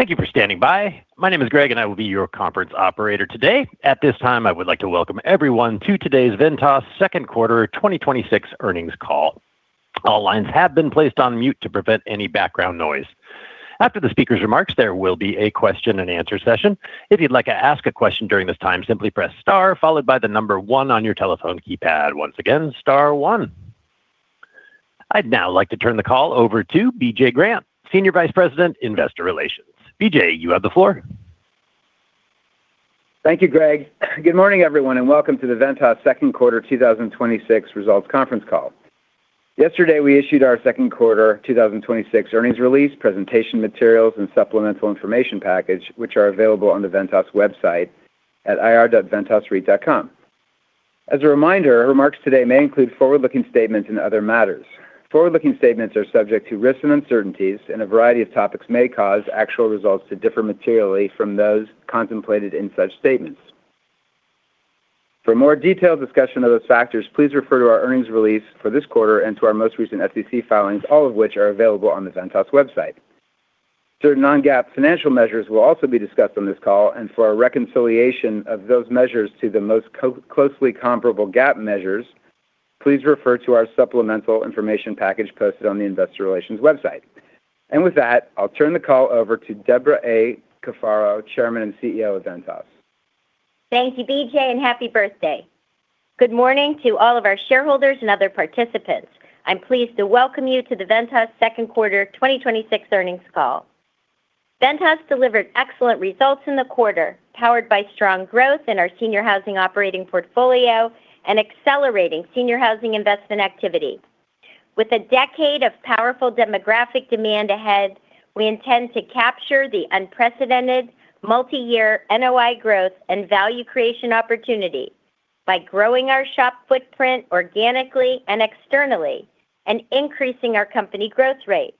Thank you for standing by. My name is Greg and I will be your conference operator today. At this time, I would like to welcome everyone to today's Ventas second quarter 2026 earnings call. All lines have been placed on mute to prevent any background noise. After the speaker's remarks, there will be a question and answer session. If you'd like to ask a question during this time, simply press star followed by the number one on your telephone keypad. Once again, star one. I'd now like to turn the call over to BJ Grant, Senior Vice President, Investor Relations. BJ, you have the floor. Thank you, Greg. Good morning, everyone, welcome to the Ventas second quarter 2026 results conference call. Yesterday, we issued our second quarter 2026 earnings release, presentation materials, and supplemental information package, which are available on the Ventas website at ir.ventasreit.com. As a reminder, remarks today may include forward-looking statements and other matters. Forward-looking statements are subject to risks and uncertainties, and a variety of topics may cause actual results to differ materially from those contemplated in such statements. For more detailed discussion of those factors, please refer to our earnings release for this quarter and to our most recent SEC filings, all of which are available on the Ventas website. Certain non-GAAP financial measures will also be discussed on this call, for a reconciliation of those measures to the most closely comparable GAAP measures, please refer to our supplemental information package posted on the investor relations website. With that, I'll turn the call over to Debra A. Cafaro, Chairman and CEO of Ventas. Thank you, BJ, happy birthday. Good morning to all of our shareholders and other participants. I'm pleased to welcome you to the Ventas second quarter 2026 earnings call. Ventas delivered excellent results in the quarter, powered by strong growth in our senior housing operating portfolio and accelerating senior housing investment activity. With a decade of powerful demographic demand ahead, we intend to capture the unprecedented multi-year NOI growth and value creation opportunity by growing our SHOP footprint organically and externally and increasing our company growth rate.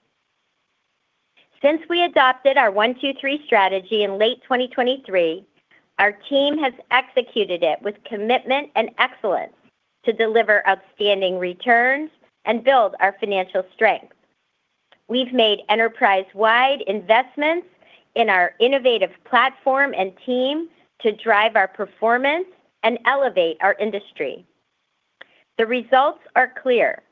Since we adopted our 1-2-3 strategy in late 2023, our team has executed it with commitment and excellence to deliver outstanding returns and build our financial strength. We've made enterprise-wide investments in our innovative platform and team to drive our performance and elevate our industry. The results are clear.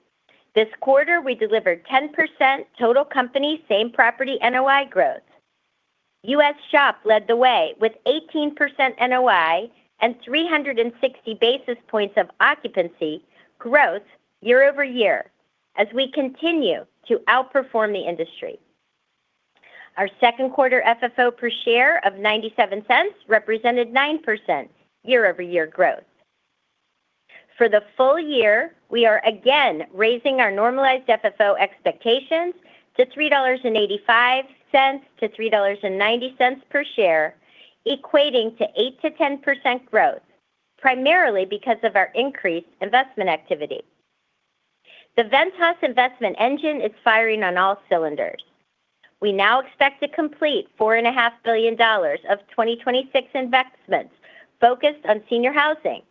This quarter, we delivered 10% total company same-property NOI growth. U.S. SHOP led the way with 18% NOI and 360 basis points of occupancy growth year-over-year as we continue to outperform the industry. Our second quarter FFO per share of $0.97 represented 9% year-over-year growth. For the full year, we are again raising our normalized FFO expectations to $3.85-3.90 per share, equating to 8%-10% growth, primarily because of our increased investment activity. The Ventas investment engine is firing on all cylinders. We now expect to complete $4.5 billion of 2026 investments focused on senior housing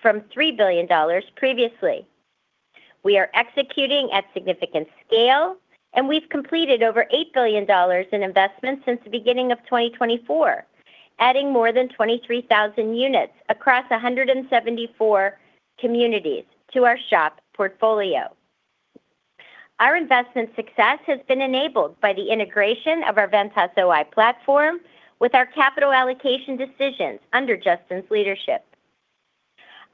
from $3 billion previously. We are executing at significant scale, and we've completed over $8 billion in investments since the beginning of 2024, adding more than 23,000 units across 174 communities to our SHOP portfolio. Our investment success has been enabled by the integration of our Ventas OI platform with our capital allocation decisions under Justin's leadership.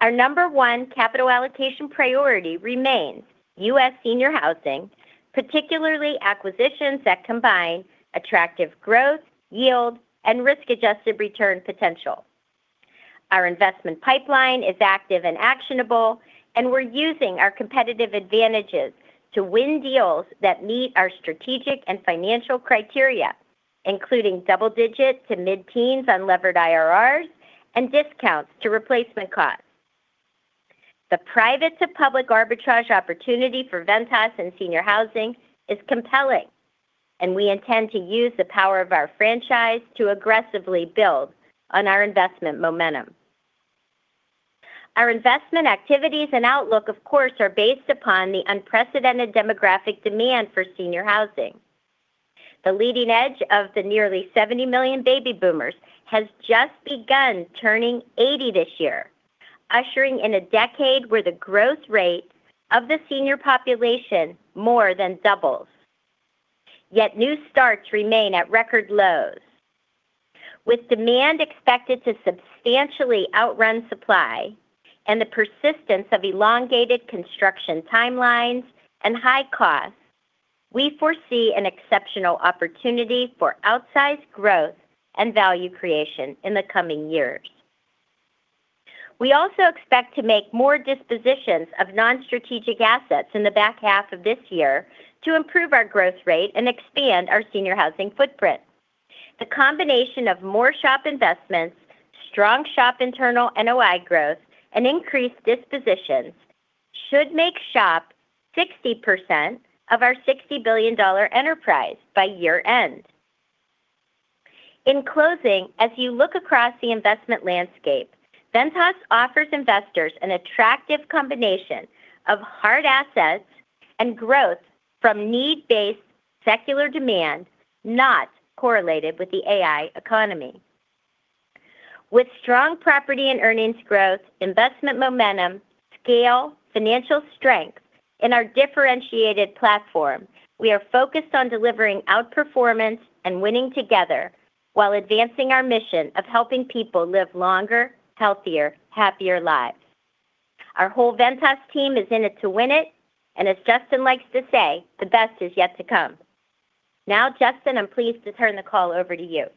Our number one capital allocation priority remains U.S. senior housing, particularly acquisitions that combine attractive growth, yield, and risk-adjusted return potential. Our investment pipeline is active and actionable, and we're using our competitive advantages to win deals that meet our strategic and financial criteria, including double digit to mid-teens on levered IRRs and discounts to replacement costs. The private to public arbitrage opportunity for Ventas in senior housing is compelling, and we intend to use the power of our franchise to aggressively build on our investment momentum. Our investment activities and outlook, of course, are based upon the unprecedented demographic demand for senior housing. The leading edge of the nearly 70 million baby boomers has just begun turning 80 this year, ushering in a decade where the growth rate of the senior population more than doubles. Yet new starts remain at record lows. With demand expected to substantially outrun supply and the persistence of elongated construction timelines and high costs, we foresee an exceptional opportunity for outsized growth and value creation in the coming years. We also expect to make more dispositions of non-strategic assets in the back half of this year to improve our growth rate and expand our senior housing footprint. The combination of more SHOP investments, strong SHOP internal NOI growth, and increased dispositions should make SHOP 60% of our $60 billion enterprise by year-end. In closing, as you look across the investment landscape, Ventas offers investors an attractive combination of hard assets and growth from need-based secular demand not correlated with the AI economy. With strong property and earnings growth, investment momentum, scale, financial strength in our differentiated platform, we are focused on delivering outperformance and winning together while advancing our mission of helping people live longer, healthier, happier lives. Our whole Ventas team is in it to win it, and as Justin likes to say, "The best is yet to come." Now, Justin, I'm pleased to turn the call over to you.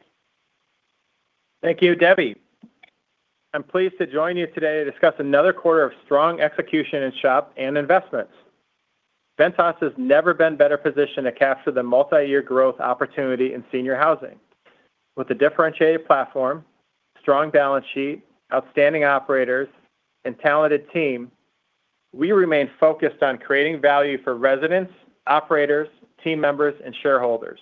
Thank you, Debbie. I'm pleased to join you today to discuss another quarter of strong execution in SHOP and investments. Ventas has never been better positioned to capture the multi-year growth opportunity in senior housing. With a differentiated platform, strong balance sheet, outstanding operators, and talented team, we remain focused on creating value for residents, operators, team members, and shareholders.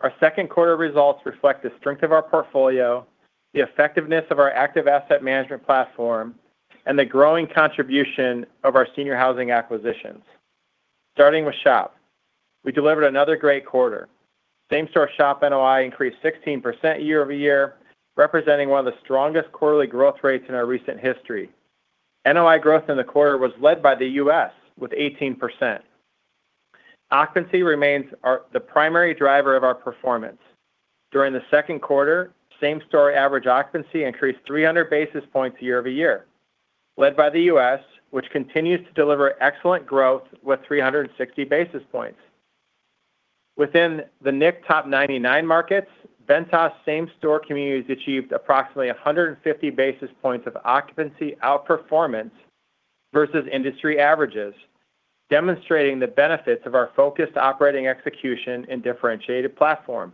Our second quarter results reflect the strength of our portfolio, the effectiveness of our active asset management platform, and the growing contribution of our senior housing acquisitions. Starting with SHOP. We delivered another great quarter. Same-store SHOP NOI increased 16% year-over-year, representing one of the strongest quarterly growth rates in our recent history. NOI growth in the quarter was led by the U.S., with 18%. Occupancy remains the primary driver of our performance. During the second quarter, same-store average occupancy increased 300 basis points year-over-year, led by the U.S., which continues to deliver excellent growth with 360 basis points. Within the NIC top 99 markets, Ventas same-store communities achieved approximately 150 basis points of occupancy outperformance versus industry averages, demonstrating the benefits of our focused operating execution and differentiated platform.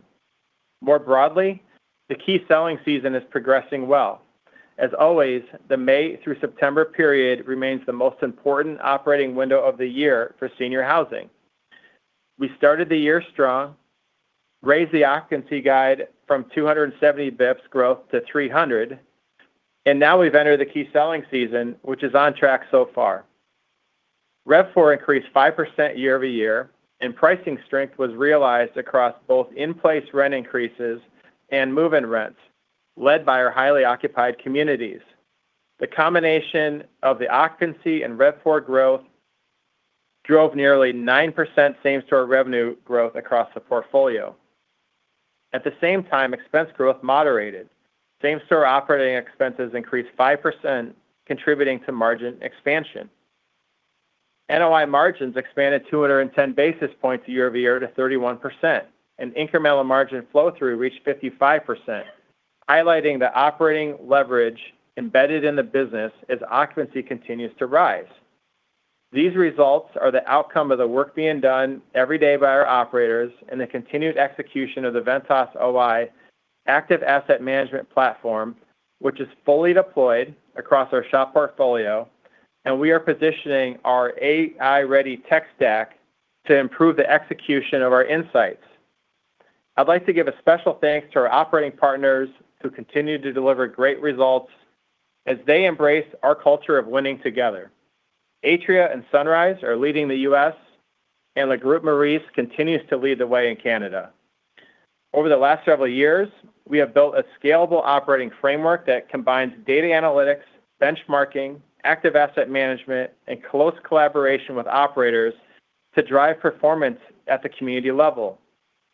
More broadly, the key selling season is progressing well. As always, the May through September period remains the most important operating window of the year for senior housing. We started the year strong, raised the occupancy guide from 270 basis points growth to 300. Now we've entered the key selling season, which is on track so far. RevPOR increased 5% year-over-year, and pricing strength was realized across both in-place rent increases and move-in rents, led by our highly occupied communities. The combination of the occupancy and RevPOR growth drove nearly 9% same-store revenue growth across the portfolio. At the same time, expense growth moderated. Same-store operating expenses increased 5%, contributing to margin expansion. NOI margins expanded 210 basis points year-over-year to 31%. Incremental margin flow-through reached 55%, highlighting the operating leverage embedded in the business as occupancy continues to rise. These results are the outcome of the work being done every day by our operators and the continued execution of the Ventas OI active asset management platform, which is fully deployed across our SHOP portfolio. We are positioning our AI-ready tech stack to improve the execution of our insights. I'd like to give a special thanks to our operating partners, who continue to deliver great results as they embrace our culture of winning together. Atria and Sunrise are leading the U.S. Le Groupe Maurice continues to lead the way in Canada. Over the last several years, we have built a scalable operating framework that combines data analytics, benchmarking, active asset management, and close collaboration with operators to drive performance at the community level.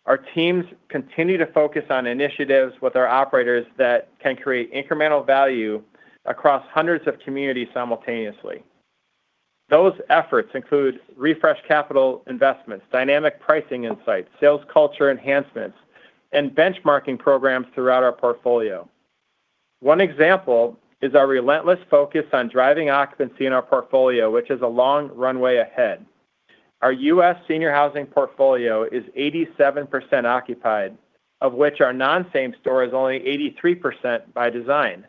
Our teams continue to focus on initiatives with our operators that can create incremental value across hundreds of communities simultaneously. Those efforts include refresh capital investments, dynamic pricing insights, sales culture enhancements, and benchmarking programs throughout our portfolio. One example is our relentless focus on driving occupancy in our portfolio, which is a long runway ahead. Our U.S. senior housing portfolio is 87% occupied, of which our non-same-store is only 83% by design.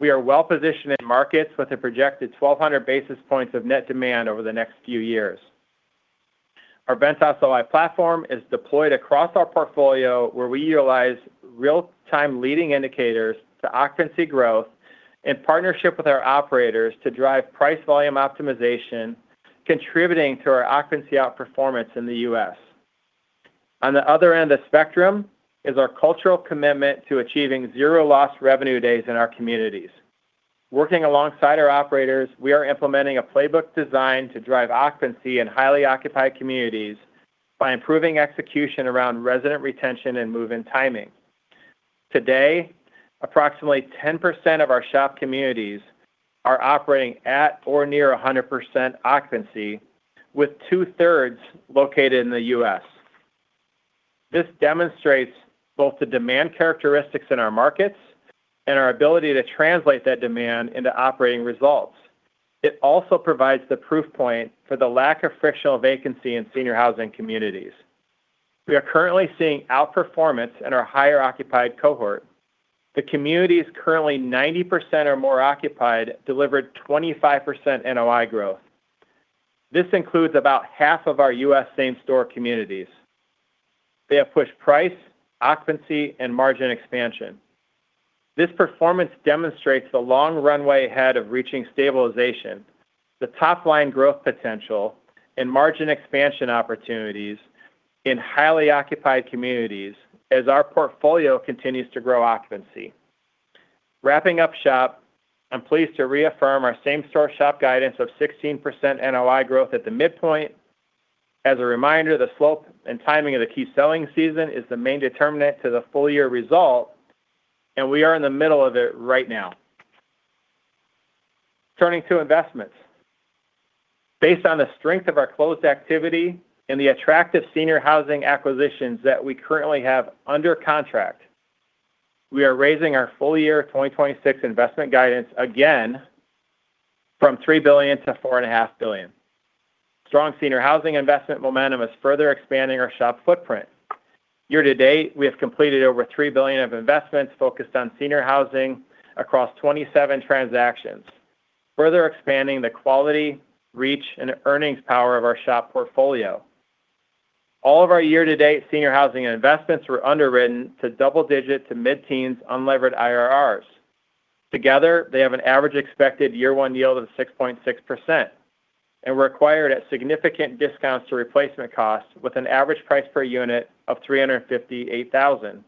We are well-positioned in markets with a projected 1,200 basis points of net demand over the next few years. Our Ventas OI platform is deployed across our portfolio, where we utilize real-time leading indicators to occupancy growth in partnership with our operators to drive price-volume optimization, contributing to our occupancy outperformance in the U.S. On the other end of the spectrum is our cultural commitment to achieving zero lost revenue days in our communities. Working alongside our operators, we are implementing a playbook designed to drive occupancy in highly occupied communities by improving execution around resident retention and move-in timing. Today, approximately 10% of our SHOP communities are operating at or near 100% occupancy, with two-thirds located in the U.S. This demonstrates both the demand characteristics in our markets and our ability to translate that demand into operating results. It also provides the proof point for the lack of frictional vacancy in senior housing communities. We are currently seeing outperformance in our higher occupied cohort. The communities currently 90% or more occupied delivered 25% NOI growth. This includes about half of our U.S. same-store communities. They have pushed price, occupancy, and margin expansion. This performance demonstrates the long runway ahead of reaching stabilization, the top-line growth potential, and margin expansion opportunities in highly occupied communities as our portfolio continues to grow occupancy. Wrapping up SHOP, I'm pleased to reaffirm our same-store SHOP guidance of 16% NOI growth at the midpoint. As a reminder, the slope and timing of the key selling season is the main determinant to the full-year result. We are in the middle of it right now. Turning to investments. Based on the strength of our closed activity and the attractive senior housing acquisitions that we currently have under contract, we are raising our full-year 2026 investment guidance again from $3 billion to $4.5 billion. Strong senior housing investment momentum is further expanding our SHOP footprint. Year to date, we have completed over $3 billion of investments focused on senior housing across 27 transactions, further expanding the quality, reach, and earnings power of our SHOP portfolio. All of our year-to-date senior housing investments were underwritten to double digit to mid-teens unlevered IRRs. Together, they have an average expected year one yield of 6.6% and were acquired at significant discounts to replacement costs with an average price per unit of $358,000.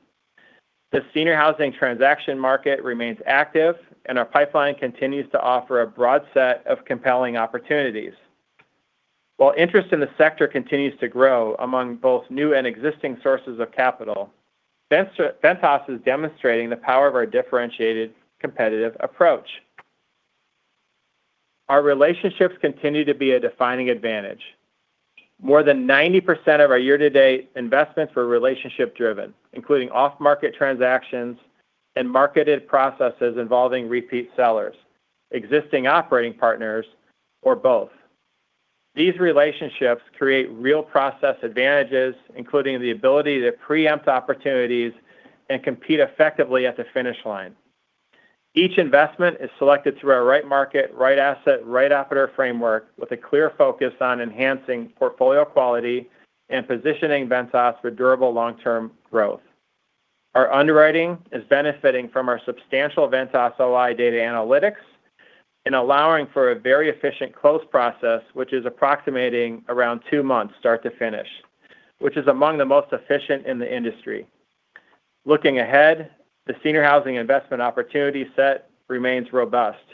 The senior housing transaction market remains active. Our pipeline continues to offer a broad set of compelling opportunities. While interest in the sector continues to grow among both new and existing sources of capital, Ventas is demonstrating the power of our differentiated competitive approach. Our relationships continue to be a defining advantage. More than 90% of our year-to-date investments were relationship driven, including off-market transactions and marketed processes involving repeat sellers, existing operating partners, or both. These relationships create real process advantages, including the ability to preempt opportunities and compete effectively at the finish line. Each investment is selected through our right market, right asset, right operator framework with a clear focus on enhancing portfolio quality and positioning Ventas for durable long-term growth. Our underwriting is benefiting from our substantial Ventas OI data analytics and allowing for a very efficient close process, which is approximating around two months start to finish, which is among the most efficient in the industry. Looking ahead, the senior housing investment opportunity set remains robust.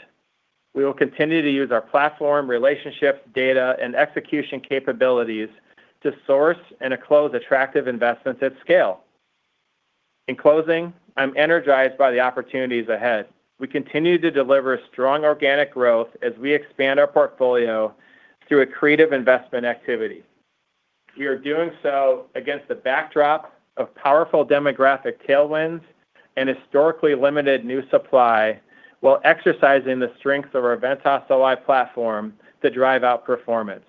We will continue to use our platform, relationship, data, and execution capabilities to source and to close attractive investments at scale. In closing, I'm energized by the opportunities ahead. We continue to deliver strong organic growth as we expand our portfolio through accretive investment activity. We are doing so against the backdrop of powerful demographic tailwinds and historically limited new supply while exercising the strength of our Ventas NOI platform to drive outperformance.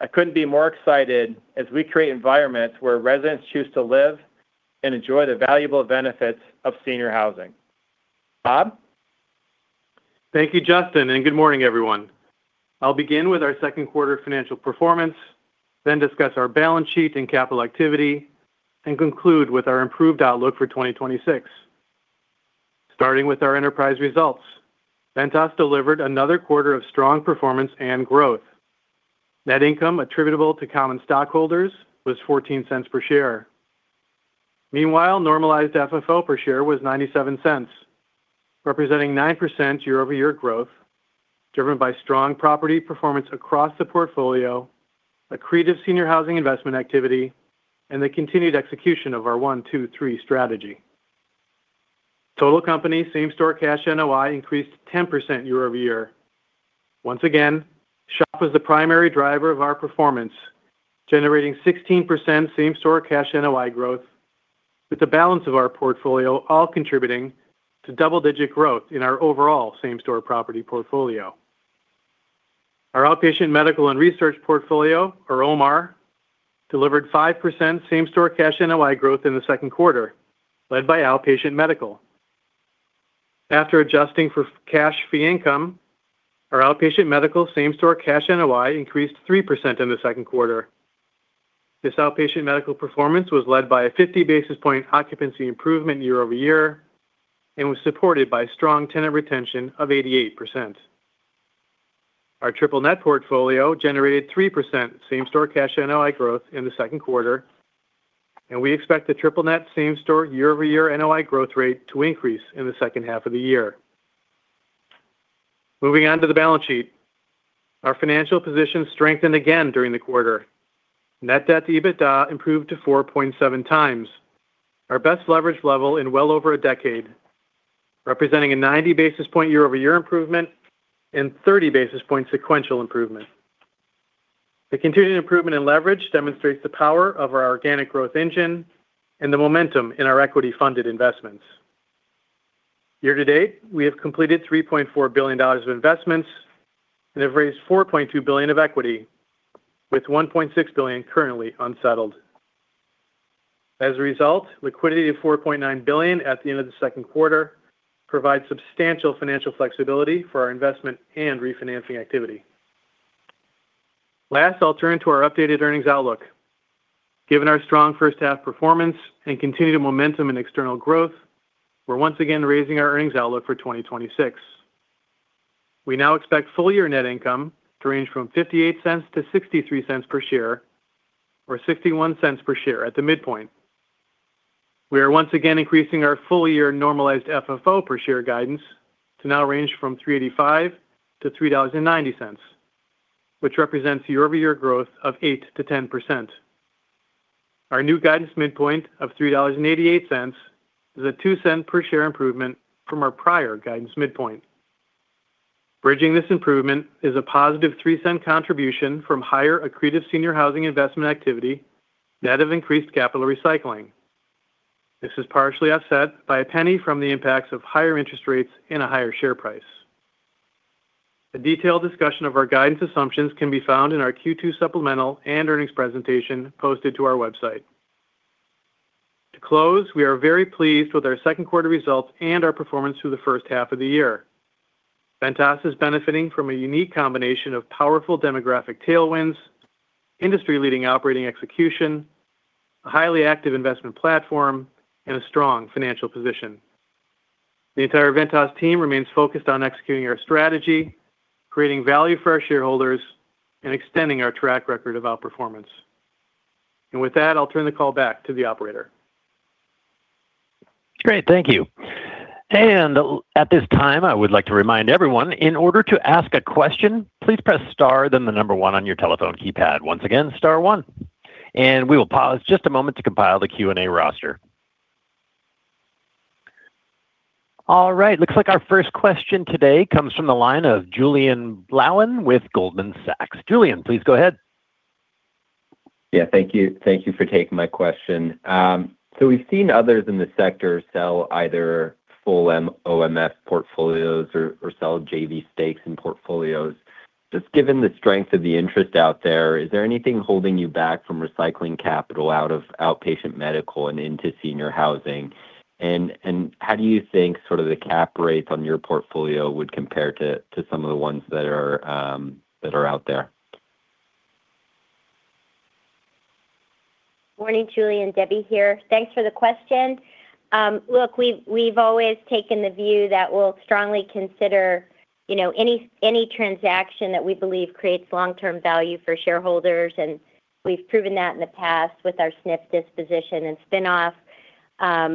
I couldn't be more excited as we create environments where residents choose to live and enjoy the valuable benefits of senior housing. Bob? Thank you, Justin. Good morning, everyone. I'll begin with our second quarter financial performance, discuss our balance sheet and capital activity, conclude with our improved outlook for 2026. Starting with our enterprise results. Ventas delivered another quarter of strong performance and growth. Net income attributable to common stockholders was $0.14 per share. Meanwhile, normalized FFO per share was $0.97, representing 9% year-over-year growth driven by strong property performance across the portfolio, accretive senior housing investment activity, and the continued execution of our 1-2-3 strategy. Total company same-store cash NOI increased 10% year-over-year. Once again, SHOP was the primary driver of our performance, generating 16% same-store cash NOI growth with the balance of our portfolio all contributing to double-digit growth in our overall same-store property portfolio. Our Outpatient Medical and Research portfolio, or OMAR, delivered 5% same-store cash NOI growth in the second quarter, led by outpatient medical. After adjusting for cash fee income, our outpatient medical same-store cash NOI increased 3% in the second quarter. This outpatient medical performance was led by a 50 basis point occupancy improvement year-over-year and was supported by strong tenant retention of 88%. Our triple-net portfolio generated 3% same-store cash NOI growth in the second quarter. We expect the triple-net same-store year-over-year NOI growth rate to increase in the second half of the year. Moving on to the balance sheet. Our financial position strengthened again during the quarter. Net debt to EBITDA improved to 4.7 times, our best leverage level in well over a decade, representing a 90 basis point year-over-year improvement and 30 basis point sequential improvement. The continued improvement in leverage demonstrates the power of our organic growth engine and the momentum in our equity-funded investments. Year-to-date, we have completed $3.4 billion of investments, have raised $4.2 billion of equity with $1.6 billion currently unsettled. As a result, liquidity of $4.9 billion at the end of the second quarter provides substantial financial flexibility for our investment and refinancing activity. Last, I'll turn to our updated earnings outlook. Given our strong first half performance and continued momentum in external growth, we're once again raising our earnings outlook for 2026. We now expect full-year net income to range from $0.58 to $0.63 per share, or $0.61 per share at the midpoint. We are once again increasing our full-year normalized FFO per share guidance to now range from $3.85 to $3.90, which represents year-over-year growth of 8% to 10%. Our new guidance midpoint of $3.88 is a $0.02 per share improvement from our prior guidance midpoint. Bridging this improvement is a positive $0.03 contribution from higher accretive senior housing investment activity net of increased capital recycling. This is partially offset by $0.01 from the impacts of higher interest rates and a higher share price. A detailed discussion of our guidance assumptions can be found in our Q2 supplemental and earnings presentation posted to our website. To close, we are very pleased with our second quarter results and our performance through the first half of the year. Ventas is benefiting from a unique combination of powerful demographic tailwinds, industry-leading operating execution, a highly active investment platform, and a strong financial position. The entire Ventas team remains focused on executing our strategy, creating value for our shareholders, and extending our track record of outperformance. With that, I'll turn the call back to the operator. Great, thank you. At this time, I would like to remind everyone, in order to ask a question, please press star then the number one on your telephone keypad. Once again, star one. We will pause just a moment to compile the Q&A roster. All right. Looks like our first question today comes from the line of Julien Blouin with Goldman Sachs. Julien, please go ahead. Yeah. Thank you for taking my question. We've seen others in the sector sell either full MOB portfolios or sell JV stakes in portfolios. Just given the strength of the interest out there, is there anything holding you back from recycling capital out of Outpatient Medical and into senior housing? How do you think sort of the cap rates on your portfolio would compare to some of the ones that are out there? Morning, Julien. Debbie here. Thanks for the question. We've always taken the view that we'll strongly consider any transaction that we believe creates long-term value for shareholders, and we've proven that in the past with our SNF disposition and spinoff.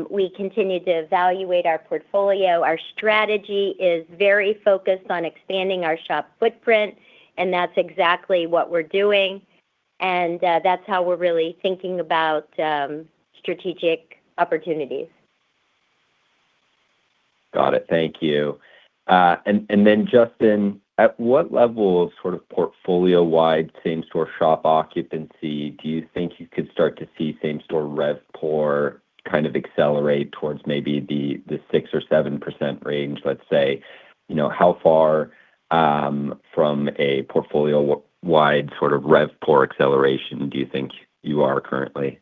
We continue to evaluate our portfolio. Our strategy is very focused on expanding our SHOP footprint, and that's exactly what we're doing. That's how we're really thinking about strategic opportunities. Got it. Thank you. Justin, at what level of sort of portfolio-wide same store SHOP occupancy do you think you could start to see same store RevPOR kind of accelerate towards maybe the 6% or 7% range, let's say? How far from a portfolio-wide sort of RevPOR acceleration do you think you are currently?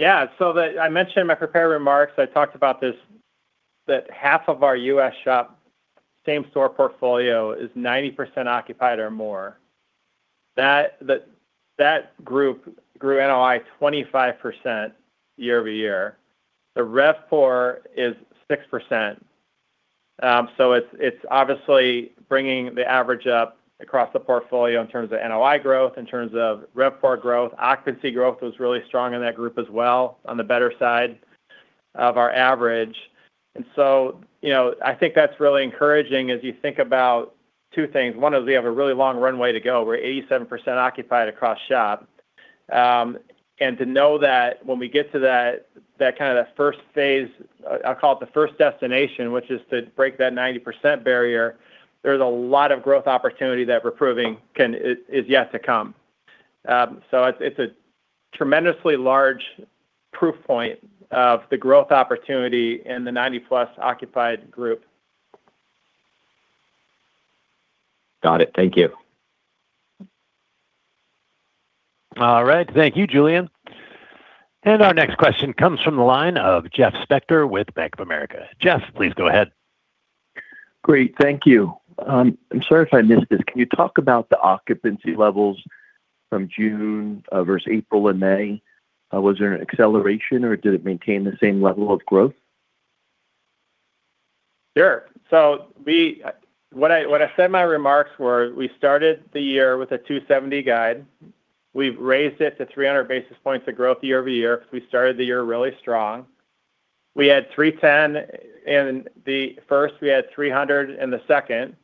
I mentioned in my prepared remarks, I talked about this, that half of our U.S. SHOP same store portfolio is 90% occupied or more. That group grew NOI 25% year-over-year. The RevPOR is 6%. It's obviously bringing the average up across the portfolio in terms of NOI growth, in terms of RevPOR growth. Occupancy growth was really strong in that group as well, on the better side of our average. I think that's really encouraging as you think about two things. One is we have a really long runway to go. We're 87% occupied across SHOP. To know that when we get to that kind of first phase, I call it the first destination, which is to break that 90% barrier, there's a lot of growth opportunity that we're proving is yet to come. It's a tremendously large proof point of the growth opportunity in the 90-plus occupied group. Got it. Thank you. All right. Thank you, Julien. Our next question comes from the line of Jeff Spector with Bank of America. Jeff, please go ahead. Great. Thank you. I'm sorry if I missed this. Can you talk about the occupancy levels from June versus April and May? Was there an acceleration or did it maintain the same level of growth? Sure. What I said in my remarks were, we started the year with a 270 guide. We've raised it to 300 basis points of growth year-over-year because we started the year really strong. We had 310 in the first, we had 300 in the second.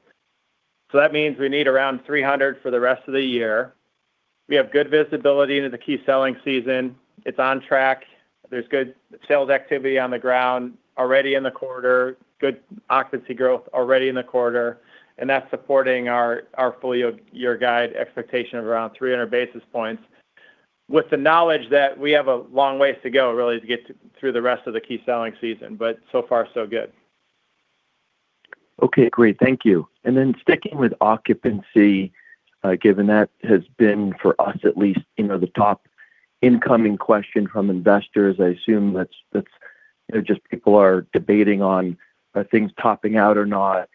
That means we need around 300 for the rest of the year. We have good visibility into the key selling season. It's on track. There's good sales activity on the ground already in the quarter. Good occupancy growth already in the quarter, and that's supporting our full-year guide expectation of around 300 basis points with the knowledge that we have a long way to go really to get through the rest of the key selling season. So far so good. Okay, great. Thank you. Sticking with occupancy, given that has been, for us at least, the top incoming question from investors. I assume that people are debating on are things topping out or not.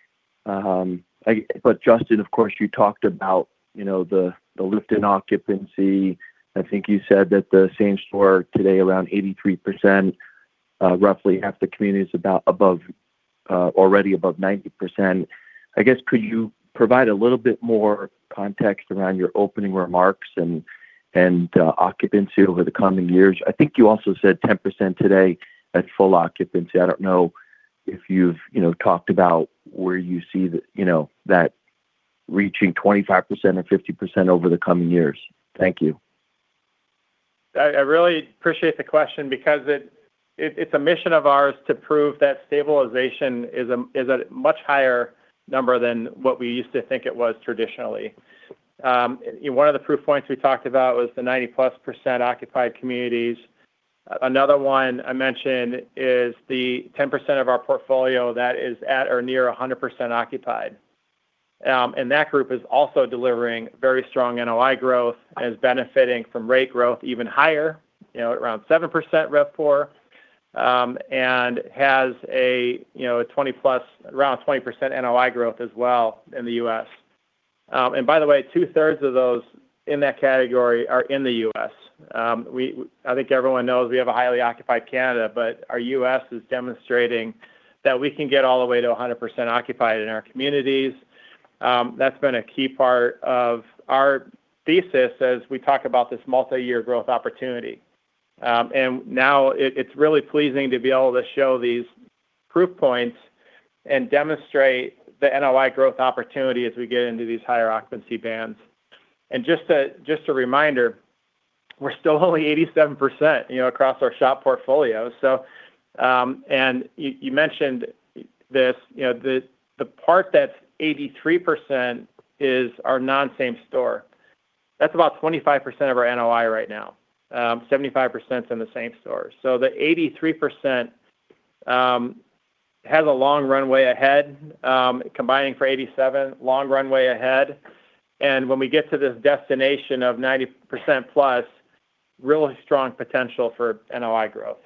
Justin, of course, you talked about the lift in occupancy. I think you said that the same store today around 83%, roughly half the community is already above 90%. I guess, could you provide a little bit more context around your opening remarks and occupancy over the coming years? I think you also said 10% today at full occupancy. I don't know if you've talked about where you see that reaching 25% or 50% over the coming years. Thank you. I really appreciate the question because it's a mission of ours to prove that stabilization is a much higher number than what we used to think it was traditionally. One of the proof points we talked about was the 90-plus % occupied communities. Another one I mentioned is the 10% of our portfolio that is at or near 100% occupied. That group is also delivering very strong NOI growth and is benefiting from rate growth even higher, around 7% RevPAR, and has around a 20% NOI growth as well in the U.S. By the way, two-thirds of those in that category are in the U.S. I think everyone knows we have a highly occupied Canada, but our U.S. is demonstrating that we can get all the way to 100% occupied in our communities. That's been a key part of our thesis as we talk about this multi-year growth opportunity. Now it's really pleasing to be able to show these proof points and demonstrate the NOI growth opportunity as we get into these higher occupancy bands. Just a reminder, we're still only 87% across our SHOP portfolio. You mentioned this, the part that's 83% is our non-same store. That's about 25% of our NOI right now. 75% is in the same store. The 83% has a long runway ahead, combining for 87, long runway ahead. When we get to this destination of 90% plus, really strong potential for NOI growth.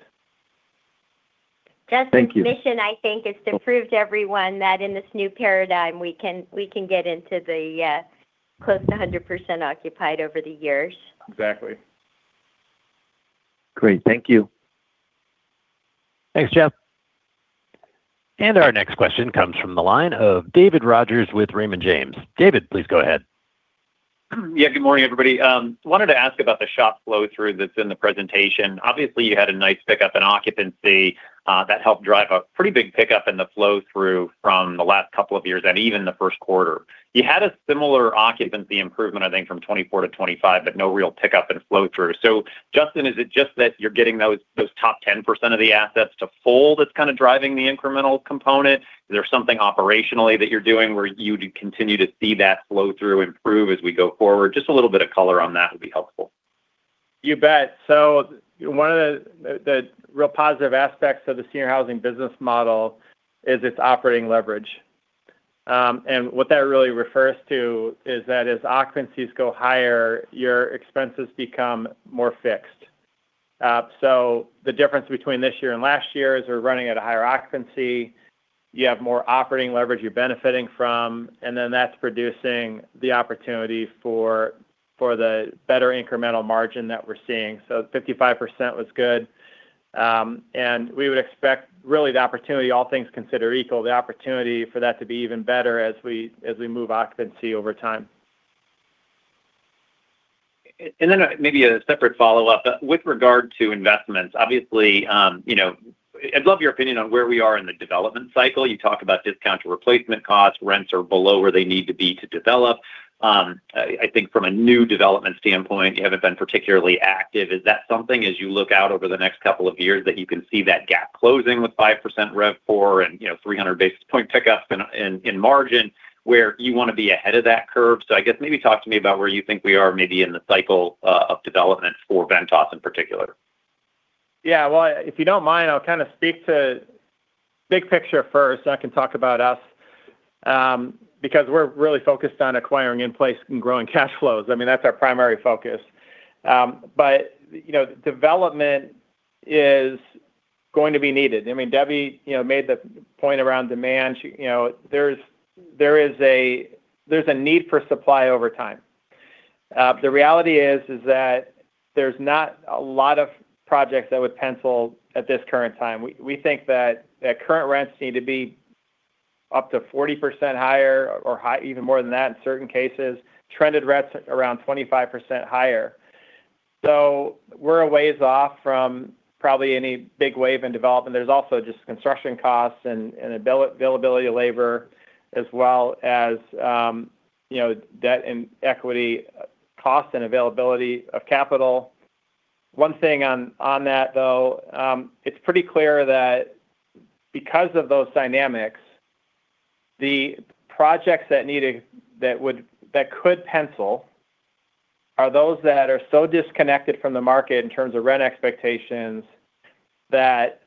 Thank you. Justin's mission, I think, is to prove to everyone that in this new paradigm, we can get into the close to 100% occupied over the years. Exactly. Great. Thank you. Thanks, Jeff. Our next question comes from the line of David Rodgers with Raymond James. David, please go ahead. Good morning, everybody. Wanted to ask about the SHOP flow-through that's in the presentation. Obviously, you had a nice pickup in occupancy that helped drive a pretty big pickup in the flow-through from the last couple of years and even the first quarter. You had a similar occupancy improvement, I think, from 2024 to 2025, but no real pickup in flow-through. Justin, is it just that you're getting those top 10% of the assets to full that's kind of driving the incremental component? Is there something operationally that you're doing where you'd continue to see that flow-through improve as we go forward? Just a little bit of color on that would be helpful. You bet. One of the real positive aspects of the senior housing business model is its operating leverage. What that really refers to is that as occupancies go higher, your expenses become more fixed. The difference between this year and last year is we're running at a higher occupancy. You have more operating leverage you're benefiting from, that's producing the opportunity for the better incremental margin that we're seeing. 55% was good. We would expect really the opportunity, all things considered equal, the opportunity for that to be even better as we move occupancy over time. Maybe a separate follow-up. With regard to investments, obviously, I'd love your opinion on where we are in the development cycle. You talk about discount to replacement costs. Rents are below where they need to be to develop. I think from a new development standpoint, you haven't been particularly active. Is that something, as you look out over the next couple of years, that you can see that gap closing with 5% RevPAR and 300 basis point pickup in margin where you want to be ahead of that curve? I guess maybe talk to me about where you think we are maybe in the cycle of development for Ventas in particular. If you don't mind, I'll kind of speak to big picture first, then I can talk about us. We're really focused on acquiring in place and growing cash flows. That's our primary focus. Development is going to be needed. Debbie made the point around demand. There's a need for supply over time. The reality is that there's not a lot of projects that would pencil at this current time. We think that current rents need to be up to 40% higher or even more than that in certain cases. Trended rents around 25% higher. We're a ways off from probably any big wave in development. There's also just construction costs and availability of labor as well as debt and equity cost and availability of capital. One thing on that, though, it's pretty clear that because of those dynamics, the projects that could pencil are those that are so disconnected from the market in terms of rent expectations that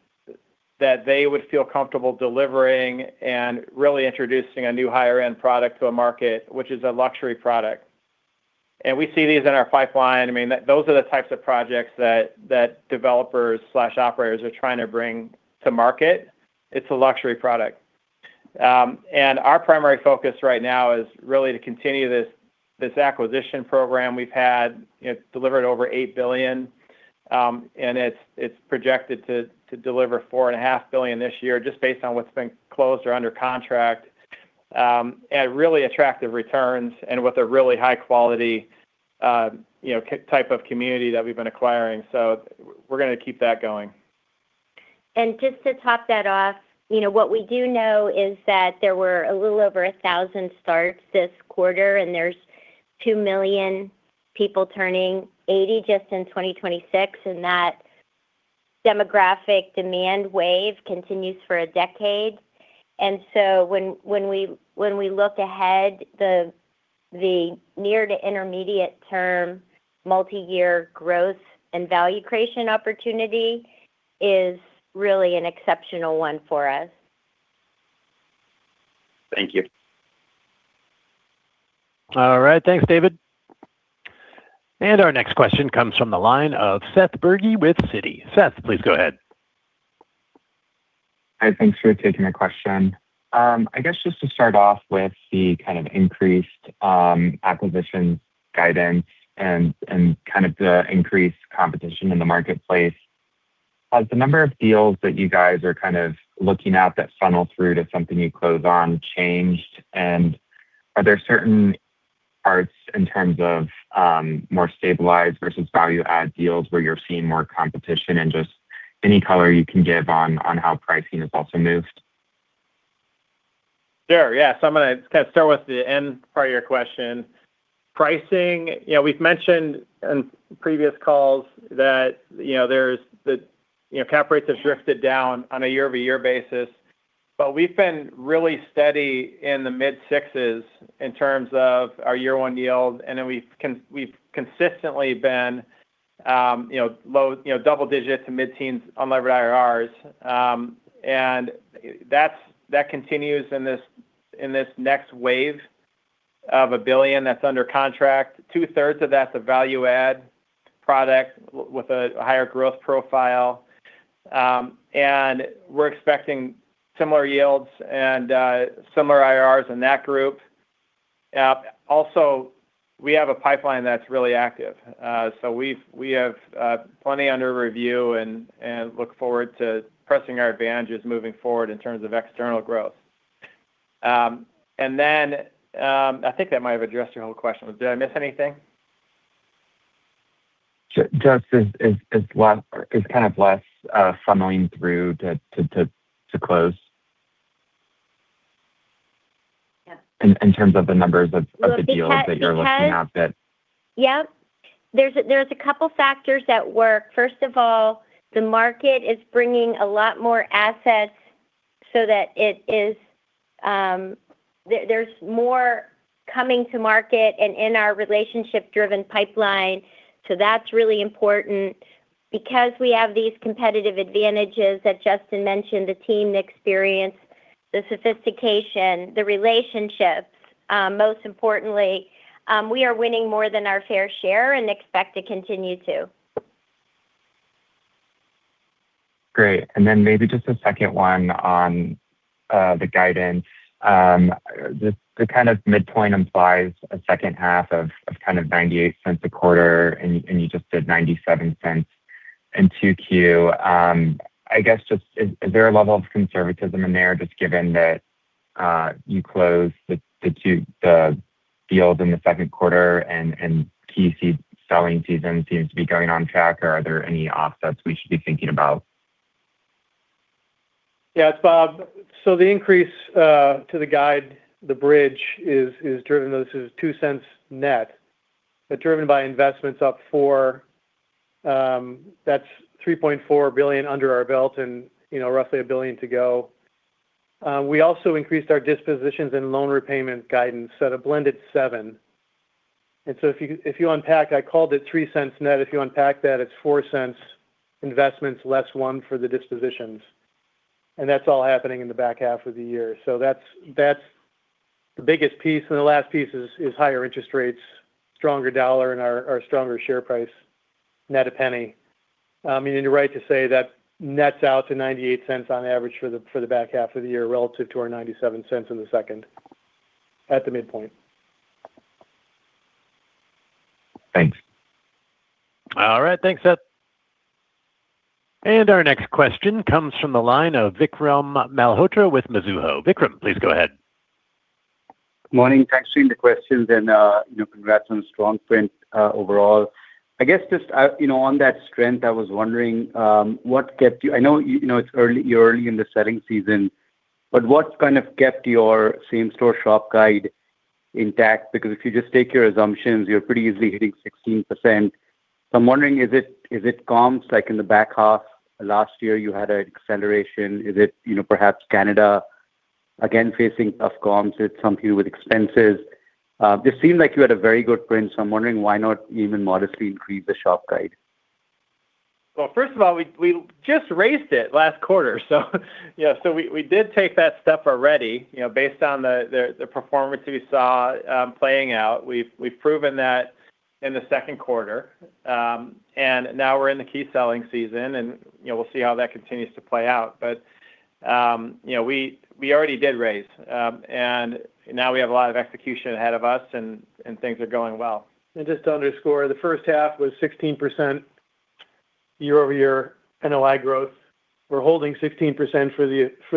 they would feel comfortable delivering and really introducing a new higher-end product to a market, which is a luxury product. We see these in our pipeline. Those are the types of projects that developers/operators are trying to bring to market. It's a luxury product. Our primary focus right now is really to continue this acquisition program we've had. It's delivered over $8 billion, and it's projected to deliver $4.5 billion this year just based on what's been closed or under contract, at really attractive returns and with a really high quality type of community that we've been acquiring. We're going to keep that going. Just to top that off, what we do know is that there were a little over 1,000 starts this quarter, there's 2 million people turning 80 just in 2026, that demographic demand wave continues for a decade. When we look ahead, the near to intermediate term multi-year growth and value creation opportunity is really an exceptional one for us. Thank you. All right. Thanks, David. Our next question comes from the line of Seth Bergey with Citi. Seth, please go ahead. Hi. Thanks for taking my question. I guess just to start off with the kind of increased acquisition guidance and the increased competition in the marketplace, has the number of deals that you guys are looking at that funnel through to something you close on changed? Are there certain parts in terms of more stabilized versus value add deals where you're seeing more competition, and just any color you can give on how pricing has also moved? Sure, yeah. I'm going to kind of start with the end part of your question. Pricing. We've mentioned in previous calls that cap rates have drifted down on a year-over-year basis. We've been really steady in the mid sixes in terms of our year one yield, and then we've consistently been double digits to mid teens on levered IRRs. That continues in this next wave of $1 billion that's under contract. Two-thirds of that's a value add product with a higher growth profile. We're expecting similar yields and similar IRRs in that group. Also, we have a pipeline that's really active. We have plenty under review and look forward to pressing our advantages moving forward in terms of external growth. I think that might have addressed your whole question. Did I miss anything? Just is kind of less funneling through to close. Yeah. In terms of the numbers of the deals that you're looking at that- Yep. There's a couple factors at work. First of all, the market is bringing a lot more assets so that there's more coming to market and in our relationship-driven pipeline. That's really important because we have these competitive advantages that Justin mentioned, the team experience, the sophistication, the relationships. Most importantly, we are winning more than our fair share and expect to continue to. Maybe just a second one on the guidance. The kind of midpoint implies a second half of kind of $0.98 a quarter, and you just did $0.97 in 2Q. I guess, just is there a level of conservatism in there just given that you closed the deals in the second quarter and key selling season seems to be going on track? Or are there any offsets we should be thinking about? Yeah. It's Bob. The increase to the guide, the bridge is driven, though this is $0.02 net, but driven by investments up $0.04. That's $3.4 billion under our belt and roughly $1 billion to go. We also increased our dispositions and loan repayment guidance at a blended $0.07. If you unpack, I called it $0.03 net. If you unpack that, it's $0.04 investments less $0.01 for the dispositions, and that's all happening in the back half of the year. That's the biggest piece. The last piece is higher interest rates, stronger dollar, and our stronger share price, net $0.01. You're right to say that nets out to $0.98 on average for the back half of the year relative to our $0.97 in the second at the midpoint. Thanks. All right. Thanks, Seth. Our next question comes from the line of Vikram Malhotra with Mizuho. Vikram, please go ahead. Morning. Thanks for taking the questions and congrats on the strong print overall. I guess just on that strength, I was wondering, I know you're early in the selling season, but what's kind of kept your same store SHOP guide intact? If you just take your assumptions, you're pretty easily hitting 16%. I'm wondering, is it comps like in the back half of last year, you had an acceleration? Is it perhaps Canada Again, facing tough comps with some people with expenses. It seemed like you had a very good print, so I'm wondering why not even modestly increase the SHOP guide. Well, first of all, we just raised it last quarter. We did take that step already based on the performance we saw playing out. We've proven that in the second quarter. Now we're in the key selling season, and we'll see how that continues to play out. We already did raise. Now we have a lot of execution ahead of us and things are going well. Just to underscore, the first half was 16% year-over-year NOI growth. We're holding 16% for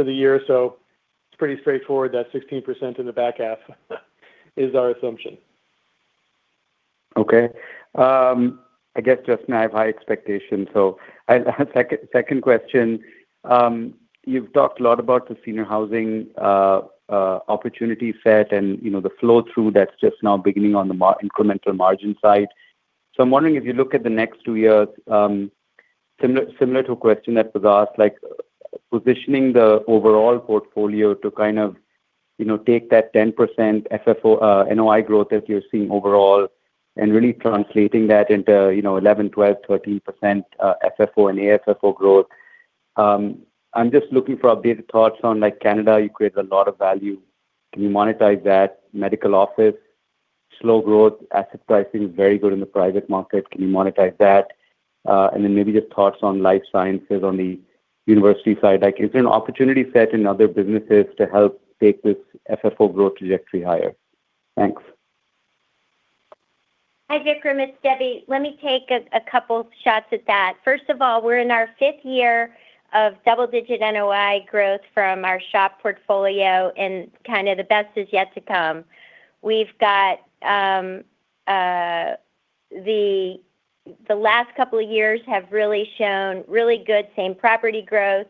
the year, it's pretty straightforward that 16% in the back half is our assumption. Okay. I guess just now I have high expectations. Second question. You've talked a lot about the senior housing opportunity set and the flow-through that's just now beginning on the incremental margin side. I'm wondering if you look at the next two years, similar to a question that was asked, like positioning the overall portfolio to kind of take that 10% NOI growth that you're seeing overall and really translating that into 11%, 12%, 13% FFO and AFFO growth. I'm just looking for updated thoughts on Canada. You create a lot of value. Can you monetize that medical office? Slow growth, asset pricing is very good in the private market. Can you monetize that? Then maybe just thoughts on life sciences on the university side. Is there an opportunity set in other businesses to help take this FFO growth trajectory higher? Thanks. Hi, Vikram. It's Debbie. Let me take a couple shots at that. First of all, we're in our fifth year of double-digit NOI growth from our SHOP portfolio, kind of the best is yet to come. The last couple of years have really shown really good same property growth.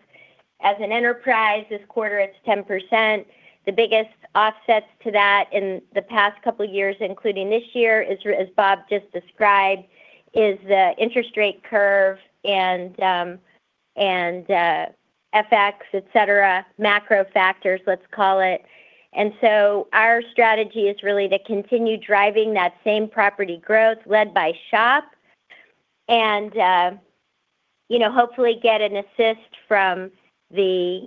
As an enterprise this quarter, it's 10%. The biggest offsets to that in the past couple of years, including this year, as Bob just described, is the interest rate curve and FX, et cetera, macro factors, let's call it. Our strategy is really to continue driving that same property growth led by SHOP and hopefully get an assist from the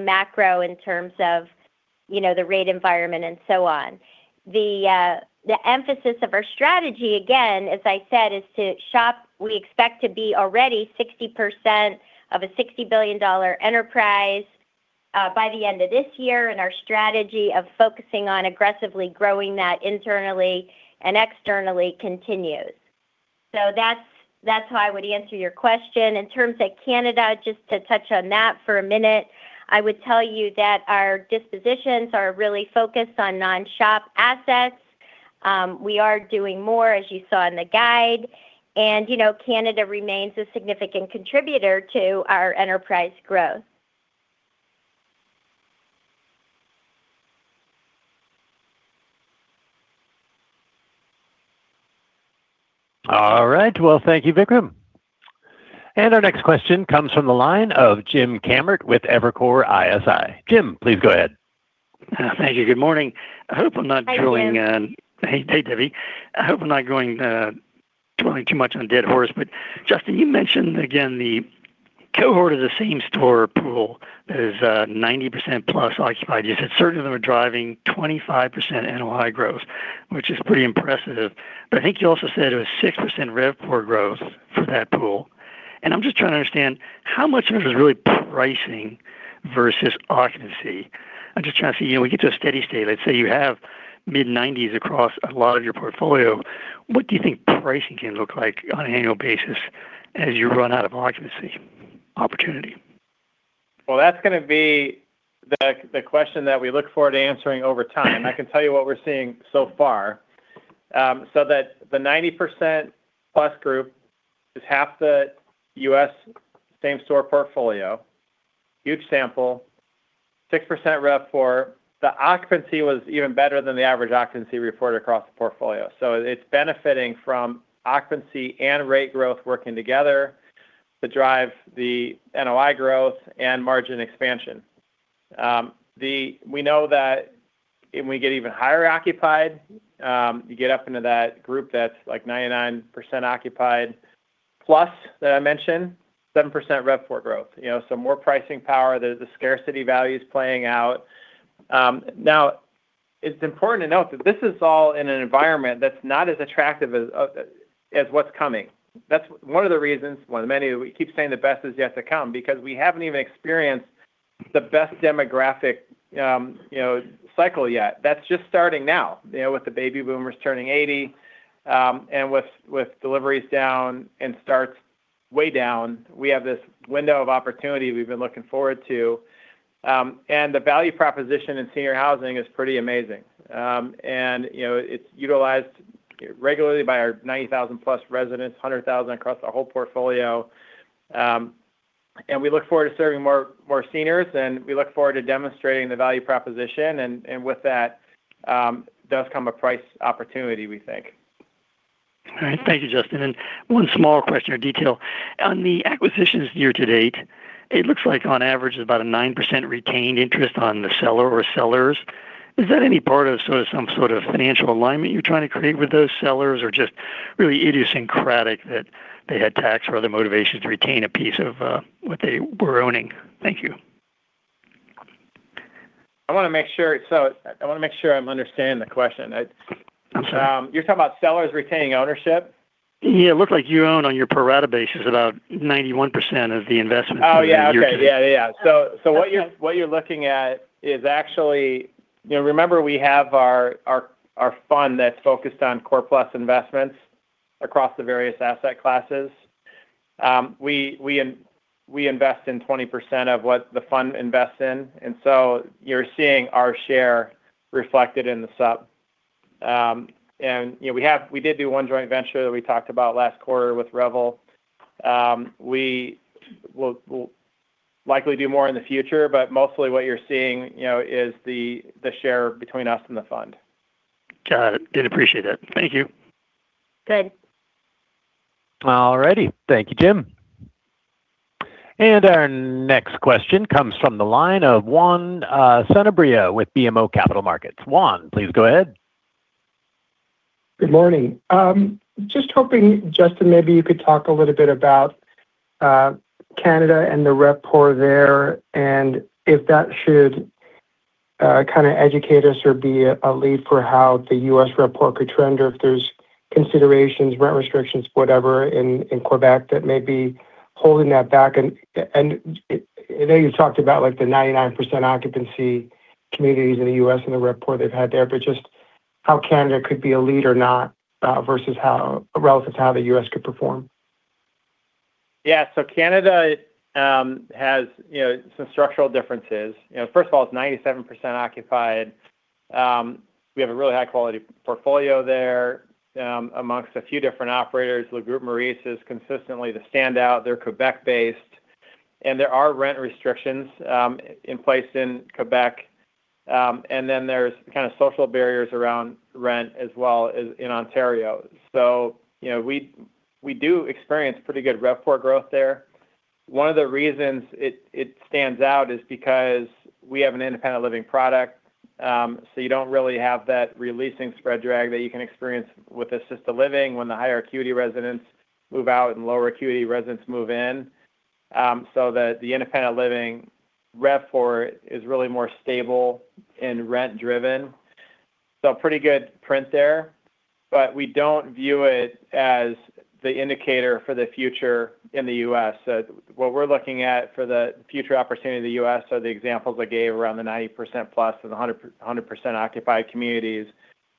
macro in terms of the rate environment and so on. The emphasis of our strategy, again, as I said, is to SHOP. We expect to be already 60% of a $60 billion enterprise by the end of this year. Our strategy of focusing on aggressively growing that internally and externally continues. That's how I would answer your question. In terms of Canada, just to touch on that for a minute, I would tell you that our dispositions are really focused on non-SHOP assets. We are doing more, as you saw in the guide. Canada remains a significant contributor to our enterprise growth. All right. Well, thank you, Vikram. Our next question comes from the line of James Kammert with Evercore ISI. Jim, please go ahead. Thank you. Good morning. I hope I'm not drilling on. Hi, Jim. Hey, Debbie. I hope I'm not drilling too much on a dead horse. Justin, you mentioned again the cohort of the same store pool is 90%+ occupied. You said certain of them are driving 25% NOI growth, which is pretty impressive. I think you also said it was 6% RevPOR growth for that pool. I'm just trying to understand how much of this is really pricing versus occupancy. I'm just trying to see when we get to a steady state, let's say you have mid-90s across a lot of your portfolio, what do you think pricing can look like on an annual basis as you run out of occupancy opportunity? Well, that's going to be the question that we look forward to answering over time. I can tell you what we're seeing so far. That the 90%+ group is half the U.S. same store portfolio. Huge sample, 6% RevPOR. The occupancy was even better than the average occupancy reported across the portfolio. It's benefiting from occupancy and rate growth working together to drive the NOI growth and margin expansion. We know that when we get even higher occupied, you get up into that group that's like 99%+ occupied that I mentioned, 7% RevPOR growth. More pricing power. The scarcity value's playing out. It's important to note that this is all in an environment that's not as attractive as what's coming. That's one of the reasons, one of the many, we keep saying the best is yet to come because we haven't even experienced the best demographic cycle yet. That's just starting now. With the baby boomers turning 80, with deliveries down and starts way down, we have this window of opportunity we've been looking forward to. The value proposition in senior housing is pretty amazing. It's utilized regularly by our 90,000+ residents, 100,000 across our whole portfolio. We look forward to serving more seniors, we look forward to demonstrating the value proposition, with that does come a price opportunity, we think. All right. Thank you, Justin. One small question or detail. On the acquisitions year to date, it looks like on average, about a 9% retained interest on the seller or sellers. Is that any part of some sort of financial alignment you're trying to create with those sellers, or just really idiosyncratic that they had tax or other motivations to retain a piece of what they were owning? Thank you. I want to make sure I'm understanding the question. I'm sorry. You're talking about sellers retaining ownership? Yeah. It looked like you own on your pro rata basis about 91% of the investment- Oh, yeah. Okay. Yeah. What you're looking at is actually, remember we have our fund that's focused on core plus investments across the various asset classes. We invest in 20% of what the fund invests in, you're seeing our share reflected in the sub. We did do one joint venture that we talked about last quarter with Revel. We will likely do more in the future, but mostly what you're seeing is the share between us and the fund. Got it. Did appreciate it. Thank you. Good. All righty. Thank you, Jim. Our next question comes from the line of Juan Sanabria with BMO Capital Markets. Juan, please go ahead. Good morning. Just hoping, Justin, maybe you could talk a little bit about Canada and the RevPOR there, if that should kind of educate us or be a lead for how the U.S. RevPOR could trend or if there's considerations, rent restrictions, whatever in Quebec that may be holding that back. I know you talked about like the 99% occupancy communities in the U.S. and the RevPOR they've had there, but just how Canada could be a lead or not relative to how the U.S. could perform. Canada has some structural differences. First of all, it's 97% occupied. We have a really high-quality portfolio there amongst a few different operators. Le Groupe Maurice is consistently the standout. They're Quebec-based, and there are rent restrictions in place in Quebec. There's kind of social barriers around rent as well in Ontario. We do experience pretty good RevPOR growth there. One of the reasons it stands out is because we have an independent living product. You don't really have that releasing spread drag that you can experience with assisted living when the higher acuity residents move out and lower acuity residents move in. That the independent living RevPOR is really more stable and rent driven. Pretty good print there, but we don't view it as the indicator for the future in the U.S. What we're looking at for the future opportunity in the U.S. are the examples I gave around the 90%+ and the 100% occupied communities,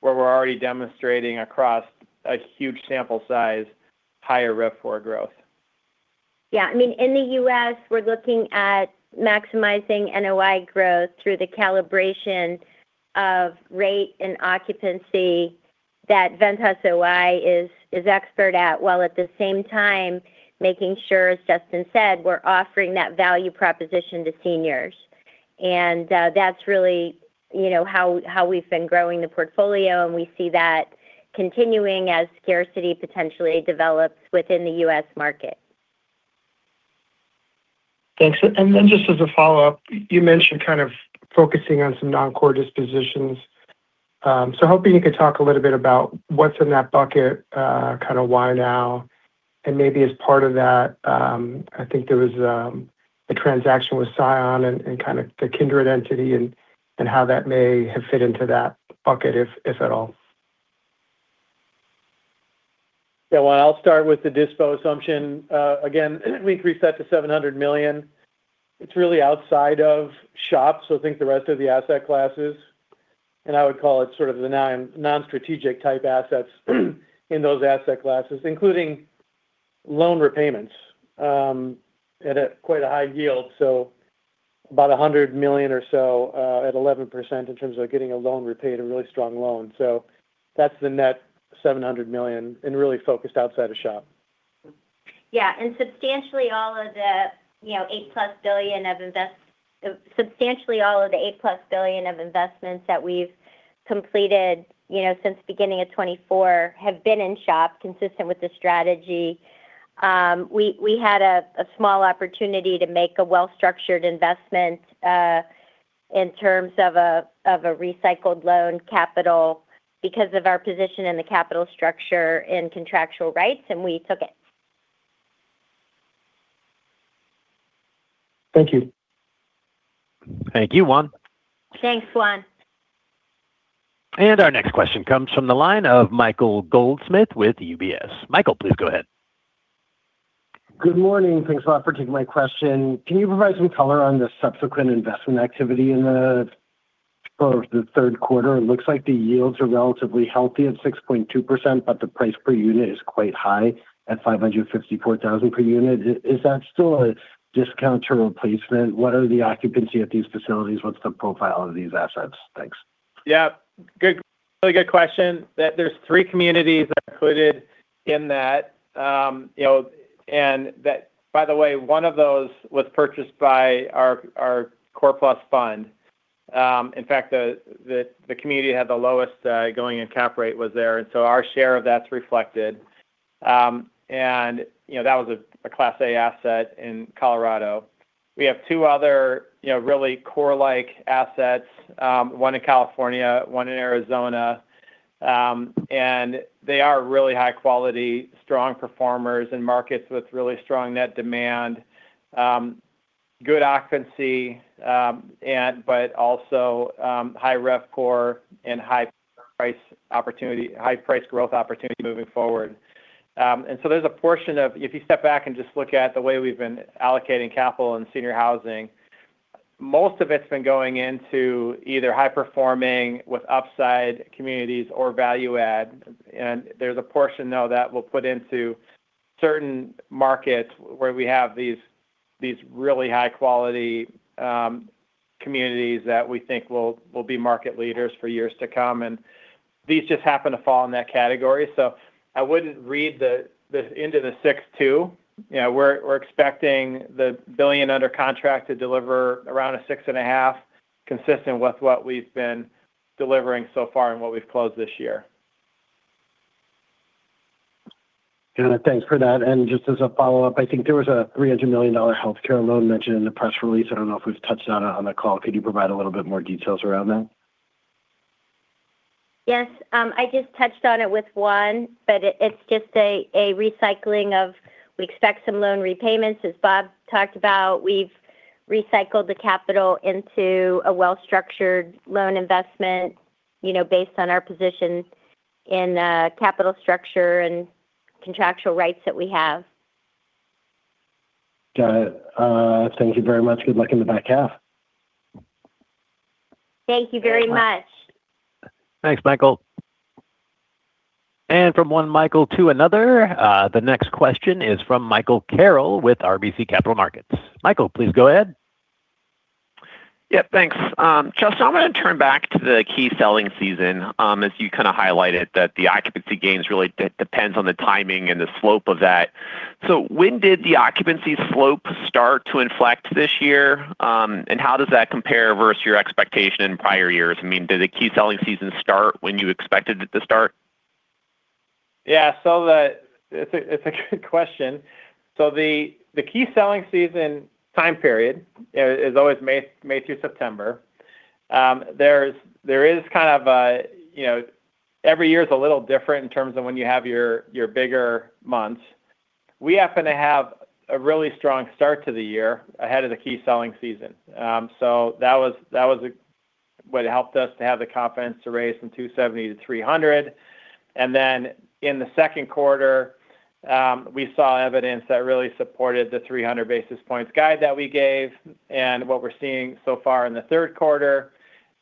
where we're already demonstrating across a huge sample size, higher RevPOR growth. In the U.S., we're looking at maximizing NOI growth through the calibration of rate and occupancy that Ventas OI is expert at, while at the same time making sure, as Justin said, we're offering that value proposition to seniors. That's really how we've been growing the portfolio, and we see that continuing as scarcity potentially develops within the U.S. market. Thanks. Just as a follow-up, you mentioned kind of focusing on some non-core dispositions. Hoping you could talk a little bit about what's in that bucket, why now, and maybe as part of that, I think there was a transaction with Scion and kind of the Kindred entity and how that may have fit into that bucket, if at all. Yeah. Well, I'll start with the dispo assumption. Again, we increased that to $700 million. It's really outside of SHOP, so think the rest of the asset classes, and I would call it sort of the non-strategic type assets in those asset classes, including loan repayments at quite a high yield. About $100 million or so at 11% in terms of getting a loan repaid, a really strong loan. That's the net $700 million and really focused outside of SHOP. Yeah, substantially all of the $8-plus billion of investments that we've completed since beginning of 2024 have been in SHOP, consistent with the strategy. We had a small opportunity to make a well-structured investment in terms of a recycled loan capital because of our position in the capital structure and contractual rights, we took it. Thank you. Thank you, Juan. Thanks, Juan. Our next question comes from the line of Michael Goldsmith with UBS. Michael, please go ahead. Good morning. Thanks a lot for taking my question. Can you provide some color on the subsequent investment activity in the course of the third quarter? It looks like the yields are relatively healthy at 6.2%, but the price per unit is quite high at $554,000 per unit. Is that still a discount to replacement? What are the occupancy at these facilities? What's the profile of these assets? Thanks. Really good question. There's three communities included in that. By the way, one of those was purchased by our core plus fund. In fact, the community that had the lowest going-in cap rate was there. So our share of that's reflected. That was a class A asset in Colorado. We have two other really core-like assets, one in California, one in Arizona. They are really high quality, strong performers in markets with really strong net demand. Good occupancy, but also high RevPAR and high price growth opportunity moving forward. So there's a portion of, if you step back and just look at the way we've been allocating capital in senior housing, most of it's been going into either high-performing with upside communities or value add. There's a portion, though, that we'll put into certain markets where we have these really high quality communities that we think will be market leaders for years to come. These just happen to fall in that category. I wouldn't read the end of the six too. We're expecting the $1 billion under contract to deliver around a 6.5, consistent with what we've been delivering so far and what we've closed this year. Got it. Thanks for that. Just as a follow-up, I think there was a $300 million healthcare loan mentioned in the press release. I don't know if we've touched on it on the call. Could you provide a little bit more details around that? Yes. I just touched on it with Juan. It's just a recycling of, we expect some loan repayments, as Bob talked about. We've recycled the capital into a well-structured loan investment based on our position in capital structure and contractual rights that we have. Got it. Thank you very much. Good luck in the back half. Thank you very much. Thanks much. Thanks, Michael. From one Michael to another, the next question is from Michael Carroll with RBC Capital Markets. Michael, please go ahead. Yeah, thanks. Justin, I'm going to turn back to the key selling season, as you kind of highlighted that the occupancy gains really depends on the timing and the slope of that. When did the occupancy slope start to inflect this year? How does that compare versus your expectation in prior years? I mean, did the key selling season start when you expected it to start? Yeah. It's a good question. The key selling season time period is always May through September. Every year is a little different in terms of when you have your bigger months. We happen to have a really strong start to the year ahead of the key selling season. That was what helped us to have the confidence to raise from 270 to 300. In the second quarter, we saw evidence that really supported the 300 basis points guide that we gave. What we're seeing so far in the third quarter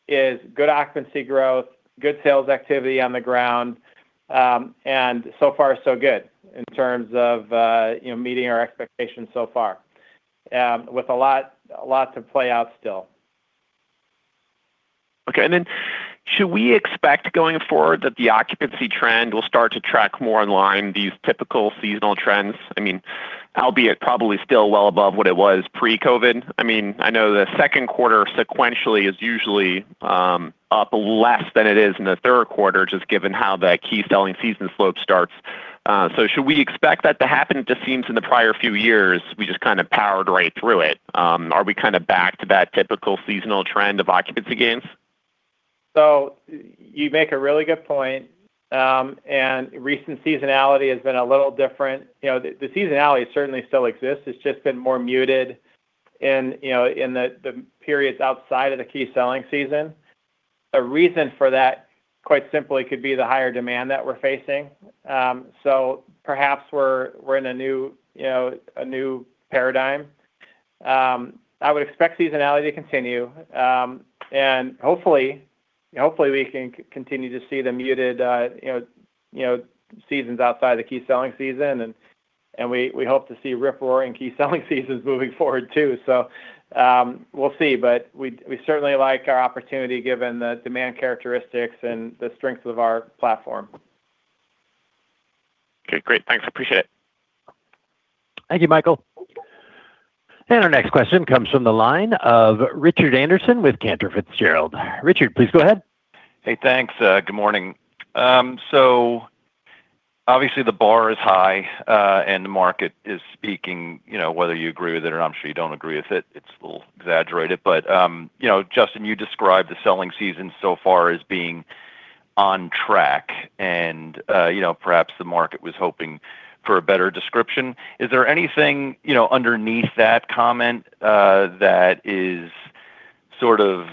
is good occupancy growth, good sales activity on the ground. So far so good in terms of meeting our expectations so far, with a lot to play out still. Okay. Should we expect, going forward, that the occupancy trend will start to track more in line with these typical seasonal trends? I mean, albeit probably still well above what it was pre-COVID. I mean, I know the second quarter sequentially is usually up less than it is in the third quarter, just given how that key selling season slope starts. Should we expect that to happen? It just seems in the prior few years, we just kind of powered right through it. Are we kind of back to that typical seasonal trend of occupancy gains? You make a really good point. Recent seasonality has been a little different. The seasonality certainly still exists. It's just been more muted in the periods outside of the key selling season. A reason for that, quite simply, could be the higher demand that we're facing. Perhaps we're in a new paradigm. I would expect seasonality to continue. Hopefully, we can continue to see the muted seasons outside the key selling season. We hope to see rip-roaring key selling seasons moving forward, too. We'll see. We certainly like our opportunity given the demand characteristics and the strengths of our platform. Okay, great. Thanks. Appreciate it. Thank you, Michael. Our next question comes from the line of Richard Anderson with Cantor Fitzgerald. Richard, please go ahead. Hey, thanks. Good morning. Obviously the bar is high, the market is speaking whether you agree with it or not. I'm sure you don't agree with it. It's a little exaggerated. Justin, you described the selling season so far as being on track. Perhaps the market was hoping for a better description. Is there anything underneath that comment that is sort of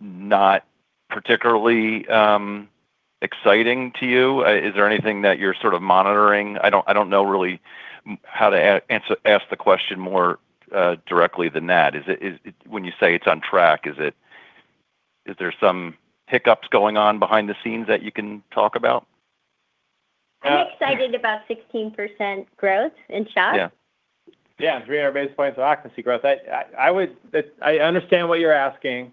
not particularly exciting to you? Is there anything that you're sort of monitoring? I don't know really how to ask the question more directly than that. When you say it's on track, is there some hiccups going on behind the scenes that you can talk about? I'm excited about 16% growth in SHOP. Yeah. Yeah, 300 basis points of occupancy growth. I understand what you're asking.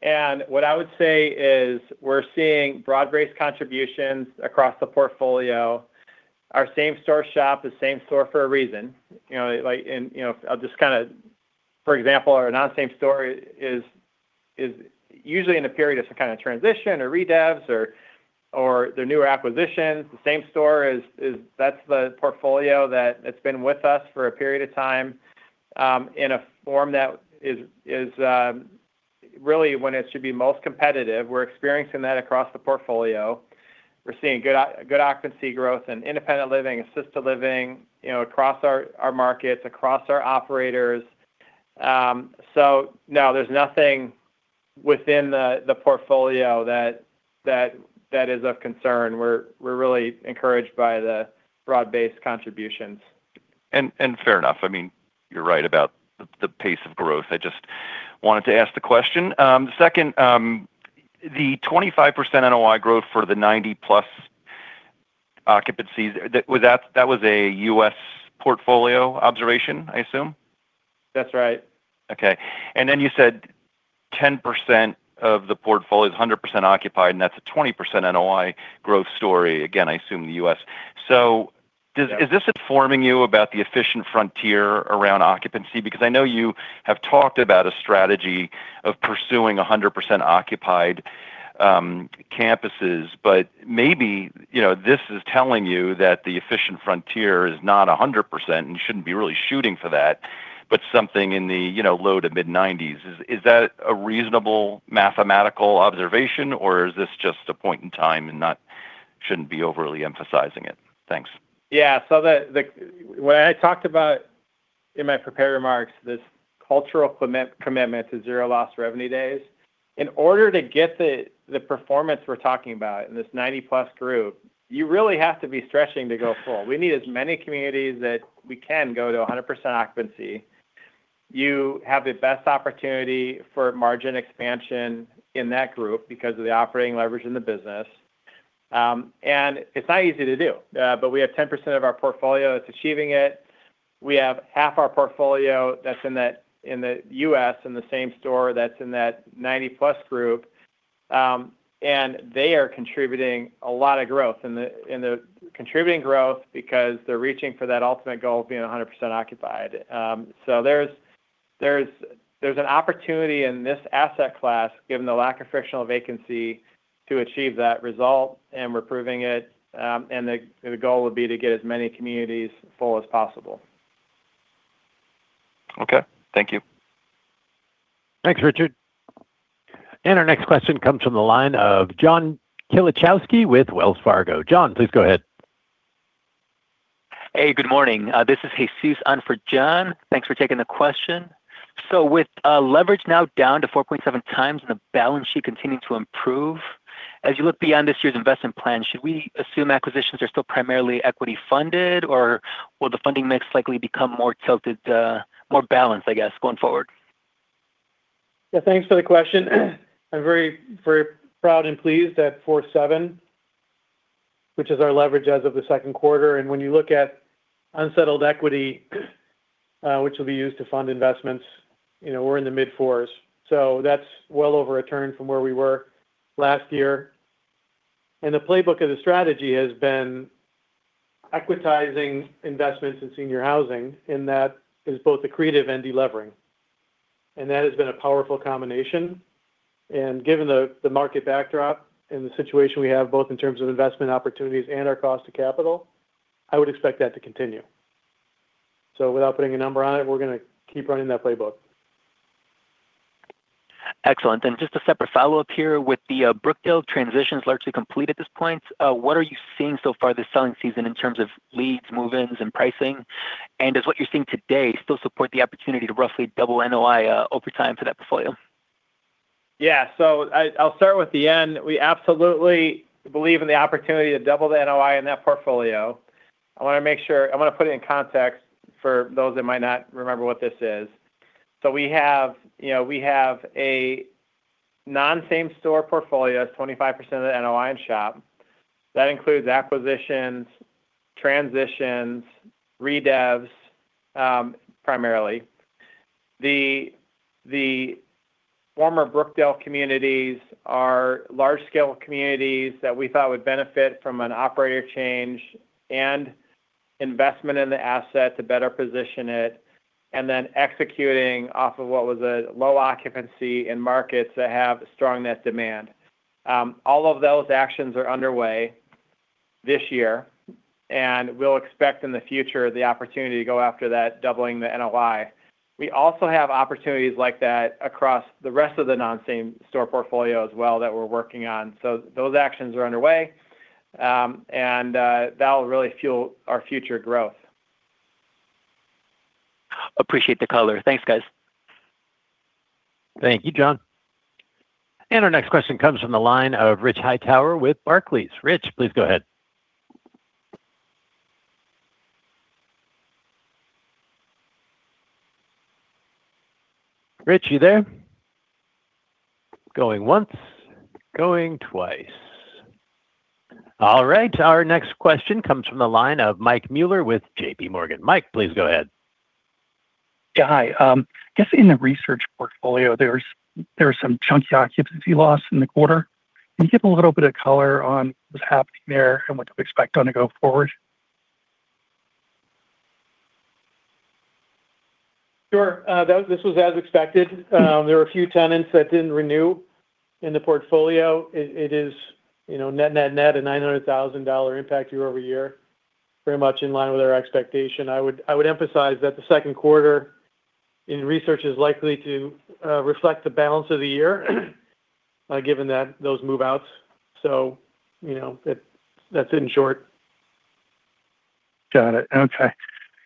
What I would say is we're seeing broad-based contributions across the portfolio. Our same-store SHOP is same-store for a reason. For example, our non-same store is usually in a period of some kind of transition or redevs or they're newer acquisitions. The same store, that's the portfolio that's been with us for a period of time, in a form that is really when it should be most competitive. We're experiencing that across the portfolio. We're seeing good occupancy growth and independent living, assisted living, across our markets, across our operators. No, there's nothing within the portfolio that is of concern. We're really encouraged by the broad-based contributions. Fair enough. You're right about the pace of growth. I just wanted to ask the question. The second, the 25% NOI growth for the 90-plus occupancies, that was a U.S. portfolio observation, I assume? That's right. Okay. You said 10% of the portfolio is 100% occupied, and that's a 20% NOI growth story. Again, I assume the U.S. Yeah Is this informing you about the efficient frontier around occupancy? Because I know you have talked about a strategy of pursuing 100% occupied campuses, but maybe this is telling you that the efficient frontier is not 100%, and you shouldn't be really shooting for that, but something in the low to mid 90s. Is that a reasonable mathematical observation, or is this just a point in time and shouldn't be overly emphasizing it? Thanks. When I talked about, in my prepared remarks, this cultural commitment to zero loss revenue days. In order to get the performance we are talking about in this 90-plus group, you really have to be stretching to go full. We need as many communities that we can go to 100% occupancy. You have the best opportunity for margin expansion in that group because of the operating leverage in the business. It's not easy to do, but we have 10% of our portfolio that's achieving it. We have half our portfolio that's in the U.S., in the same store that's in that 90-plus group, and they are contributing a lot of growth. They are contributing growth because they are reaching for that ultimate goal of being 100% occupied. There's an opportunity in this asset class, given the lack of frictional vacancy, to achieve that result, and we are proving it, the goal would be to get as many communities full as possible. Okay. Thank you. Thanks, Richard. Our next question comes from the line of John Kilichowski with Wells Fargo. John, please go ahead. Good morning. This is Jesus on for John. Thanks for taking the question. With leverage now down to 4.7 times and the balance sheet continuing to improve, as you look beyond this year's investment plan, should we assume acquisitions are still primarily equity funded, or will the funding mix likely become more tilted, more balanced, I guess, going forward? Thanks for the question. I'm very proud and pleased that 4.7, which is our leverage as of the second quarter, and when you look at unsettled equity, which will be used to fund investments, we're in the mid fours. That's well over a turn from where we were last year. The playbook of the strategy has been equitizing investments in senior housing, and that is both accretive and delevering. That has been a powerful combination. Given the market backdrop and the situation we have both in terms of investment opportunities and our cost to capital, I would expect that to continue. Without putting a number on it, we're going to keep running that playbook. Excellent. Just a separate follow-up here. With the Brookdale transitions largely complete at this point, what are you seeing so far this selling season in terms of leads, move-ins, and pricing? Does what you're seeing today still support the opportunity to roughly double NOI over time for that portfolio? I'll start with the end. We absolutely believe in the opportunity to double the NOI in that portfolio. I want to put it in context for those that might not remember what this is. We have a non-same store portfolio, it's 25% of the NOI in SHOP. That includes acquisitions, transitions, redevs, primarily. The former Brookdale communities are large-scale communities that we thought would benefit from an operator change and investment in the asset to better position it, and then executing off of what was a low occupancy in markets that have strong net demand. All of those actions are underway this year, and we'll expect in the future the opportunity to go after that, doubling the NOI. We also have opportunities like that across the rest of the non-same store portfolio as well that we're working on. Those actions are underway. That will really fuel our future growth. Appreciate the color. Thanks, guys. Thank you, Jesus. Our next question comes from the line of Rich Hightower with Barclays. Rich, please go ahead. Rich, you there? Going once, going twice. All right. Our next question comes from the line of Mike Mueller with J.P. Morgan. Mike, please go ahead. Guy, I guess in the research portfolio, there was some chunky occupancy loss in the quarter. Can you give a little bit of color on what's happening there and what to expect going forward? Sure. This was as expected. There were a few tenants that didn't renew in the portfolio. It is net, net a $900,000 impact year-over-year, very much in line with our expectation. I would emphasize that the second quarter in research is likely to reflect the balance of the year given those move-outs. That's it in short. Got it. Okay.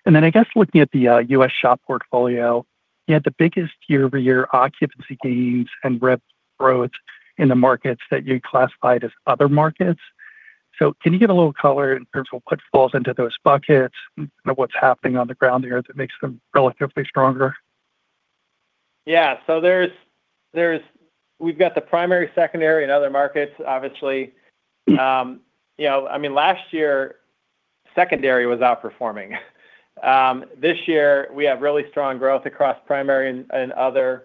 I guess looking at the U.S. SHOP portfolio, you had the biggest year-over-year occupancy gains and rent growth in the markets that you classified as other markets. Can you give a little color in terms of what falls into those buckets and what's happening on the ground there that makes them relatively stronger? Yeah. We've got the primary, secondary, and other markets, obviously. Last year, secondary was outperforming. This year, we have really strong growth across primary and other.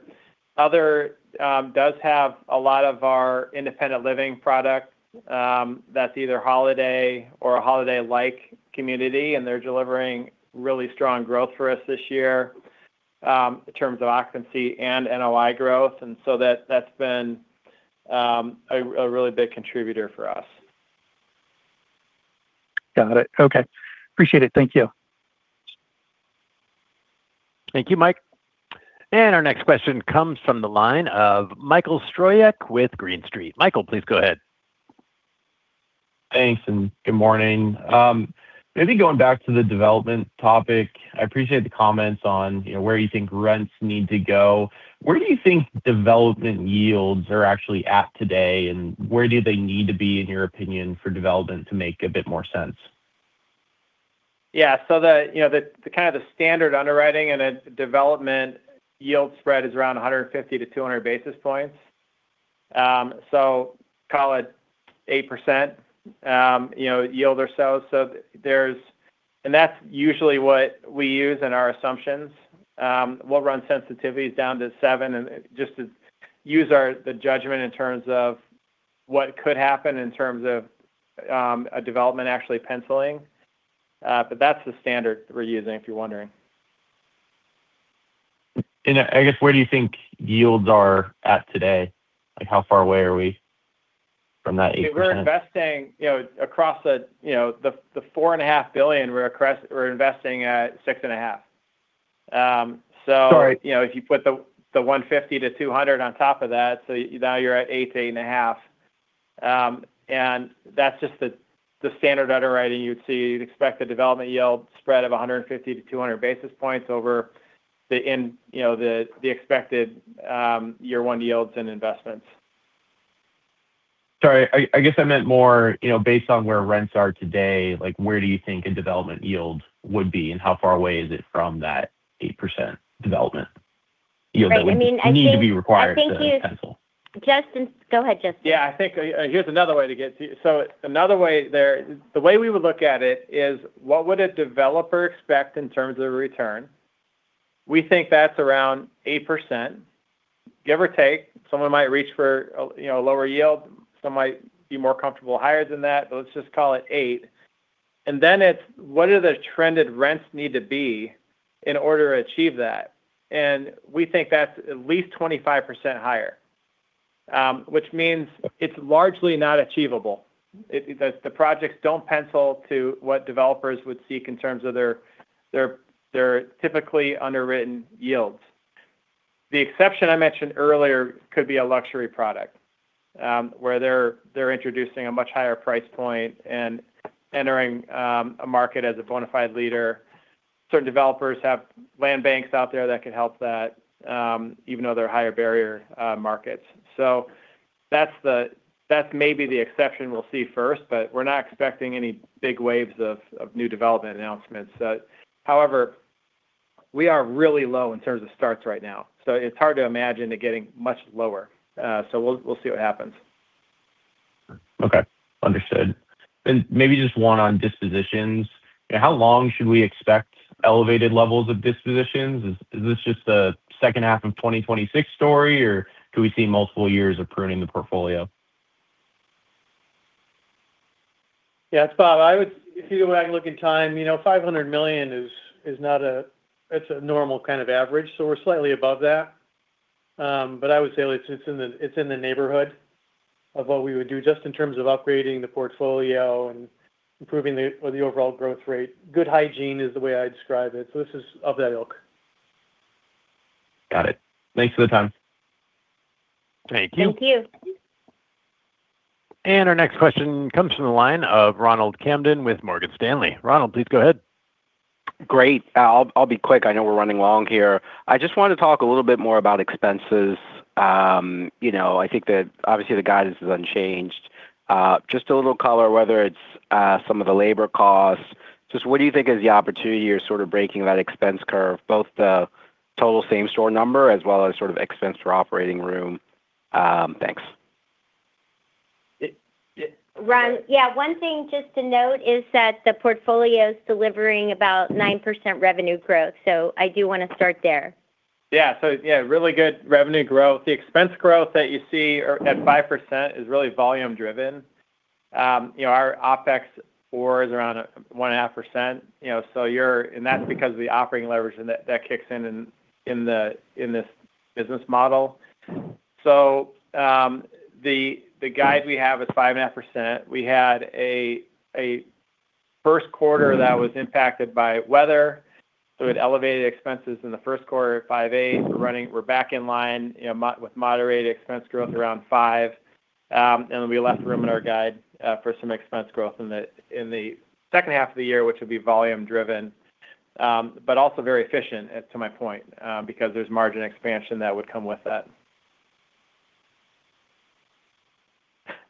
Other does have a lot of our independent living products, that's either Holiday or a Holiday-like community, and they're delivering really strong growth for us this year, in terms of occupancy and NOI growth. That's been a really big contributor for us. Got it. Okay. Appreciate it. Thank you. Thank you, Mike. Our next question comes from the line of Michael Stroyeck with Green Street. Michael, please go ahead. Thanks, good morning. Maybe going back to the development topic, I appreciate the comments on where you think rents need to go. Where do you think development yields are actually at today, and where do they need to be, in your opinion, for development to make a bit more sense? Yeah. The standard underwriting and a development yield spread is around 150 to 200 basis points. Call it 8% yield or so. That's usually what we use in our assumptions. We'll run sensitivities down to seven and just to use the judgment in terms of what could happen in terms of a development actually penciling. That's the standard that we're using, if you're wondering. I guess where do you think yields are at today? How far away are we from that 8%? We're investing across the $4.5 billion, we're investing at 6.5%. Sorry. If you put the 150-200 on top of that, so now you're at 8%-8.5%. That's just the standard underwriting you'd see. You'd expect the development yield spread of 150-200 basis points over in the expected year one yields and investments. Sorry, I guess I meant more based on where rents are today, where do you think a development yield would be, and how far away is it from that 8% development yield that would need to be required to pencil? Justin. Go ahead, Justin. Yeah. The way we would look at it is what would a developer expect in terms of return? We think that's around 8%, give or take. Someone might reach for a lower yield. Some might be more comfortable higher than that, but let's just call it eight. Then it's what do the trended rents need to be in order to achieve that? We think that's at least 25% higher, which means it's largely not achievable. The projects don't pencil to what developers would seek in terms of their typically underwritten yields. The exception I mentioned earlier could be a luxury product, where they're introducing a much higher price point and entering a market as a bona fide leader. Certain developers have land banks out there that could help that, even though they're higher barrier markets. That's maybe the exception we'll see first, but we're not expecting any big waves of new development announcements. However, we are really low in terms of starts right now. It's hard to imagine it getting much lower. We'll see what happens. Okay. Understood. Maybe just one on dispositions. How long should we expect elevated levels of dispositions? Is this just a second half of 2026 story, or could we see multiple years of pruning the portfolio? Yeah, it's Bob. If you go back and look in time, $500 million is a normal kind of average. We're slightly above that. I would say it's in the neighborhood of what we would do just in terms of upgrading the portfolio and improving the overall growth rate. Good hygiene is the way I describe it. This is of that ilk. Got it. Thanks for the time. Thank you. Thank you. Our next question comes from the line of Ronald Kamdem with Morgan Stanley. Ronald, please go ahead. Great. I'll be quick. I know we're running long here. I just wanted to talk a little bit more about expenses. I think that obviously the guidance is unchanged. Just a little color, whether it's some of the labor costs. Just what do you think is the opportunity you're sort of breaking that expense curve, both the total same store number as well as sort of expense to operating room? Thanks. Ron, one thing just to note is that the portfolio's delivering about 9% revenue growth, so I do want to start there. Yeah. Really good revenue growth. The expense growth that you see at 5% is really volume driven. Our OPEX for is around 1.5%, and that's because of the operating leverage that kicks in this business model. The guide we have is 5.5%. We had a first quarter that was impacted by weather, so it elevated expenses in the first quarter at 5A. We're back in line with moderate expense growth around five. We left room in our guide for some expense growth in the second half of the year, which will be volume driven, but also very efficient, to my point, because there's margin expansion that would come with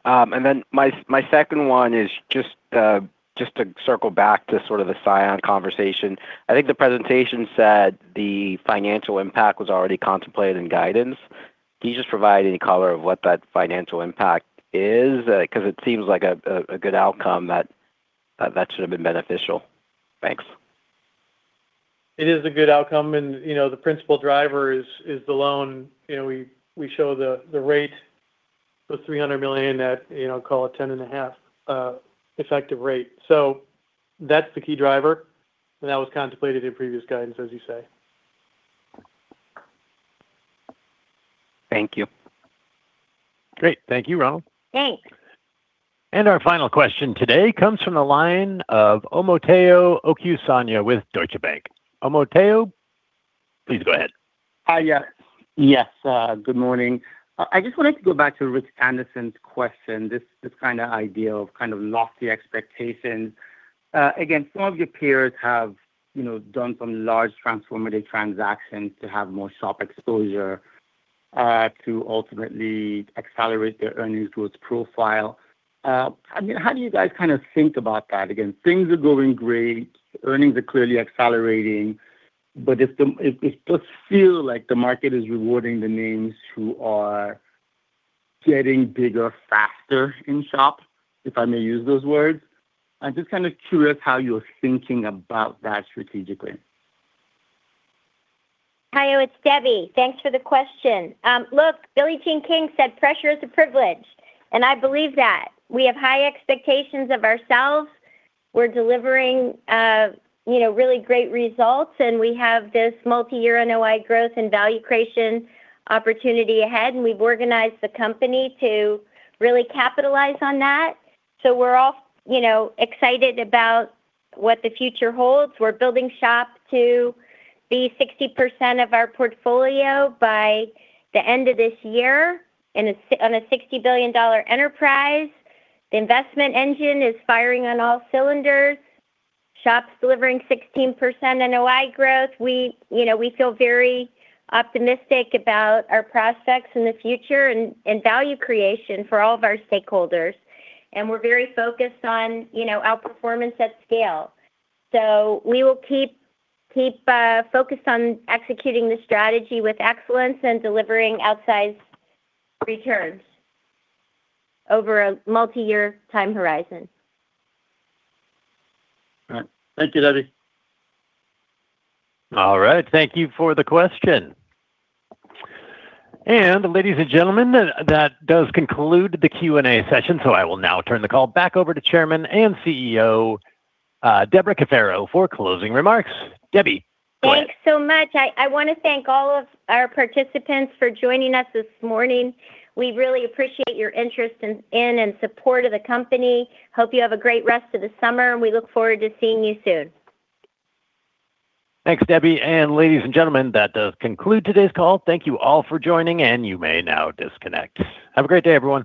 that. My second one is just to circle back to sort of the ScionHealth conversation. I think the presentation said the financial impact was already contemplated in guidance. Can you just provide any color of what that financial impact is? Because it seems like a good outcome that should've been beneficial. Thanks. It is a good outcome, and the principal driver is the loan. We show the rate, the $300 million at call it 10.5 effective rate. That's the key driver, and that was contemplated in previous guidance, as you say. Thank you. Great. Thank you, Ronald. Thanks. Our final question today comes from the line of Omotayo Okusanya with Deutsche Bank. Omotayo, please go ahead. Good morning. I just wanted to go back to Rick Anderson's question, this kind of idea of kind of lofty expectations. Again, some of your peers have done some large transformative transactions to have more SHOP exposure to ultimately accelerate their earnings growth profile. How do you guys kind of think about that? Again, things are going great. Earnings are clearly accelerating. It does feel like the market is rewarding the names who are getting bigger faster in SHOP, if I may use those words. I'm just kind of curious how you're thinking about that strategically. Omotayo, it's Debbie. Thanks for the question. Billie Jean King said pressure is a privilege, I believe that. We have high expectations of ourselves. We're delivering really great results, we have this multi-year NOI growth and value creation opportunity ahead, we've organized the company to really capitalize on that. We're all excited about what the future holds. We're building SHOP to be 60% of our portfolio by the end of this year on a $60 billion enterprise. The investment engine is firing on all cylinders, SHOPs delivering 16% NOI growth. We feel very optimistic about our prospects in the future and value creation for all of our stakeholders, we're very focused on outperformance at scale. We will keep focused on executing the strategy with excellence and delivering outsized returns over a multi-year time horizon. Thank you, Debbie. Ladies and gentlemen, that does conclude the Q&A session. I will now turn the call back over to Chairman and CEO Debra Cafaro for closing remarks. Debbie, go ahead. Thanks so much. I want to thank all of our participants for joining us this morning. We really appreciate your interest in and support of the company. Hope you have a great rest of the summer, and we look forward to seeing you soon. Thanks, Debbie. Ladies and gentlemen, that does conclude today's call. Thank you all for joining, and you may now disconnect. Have a great day, everyone.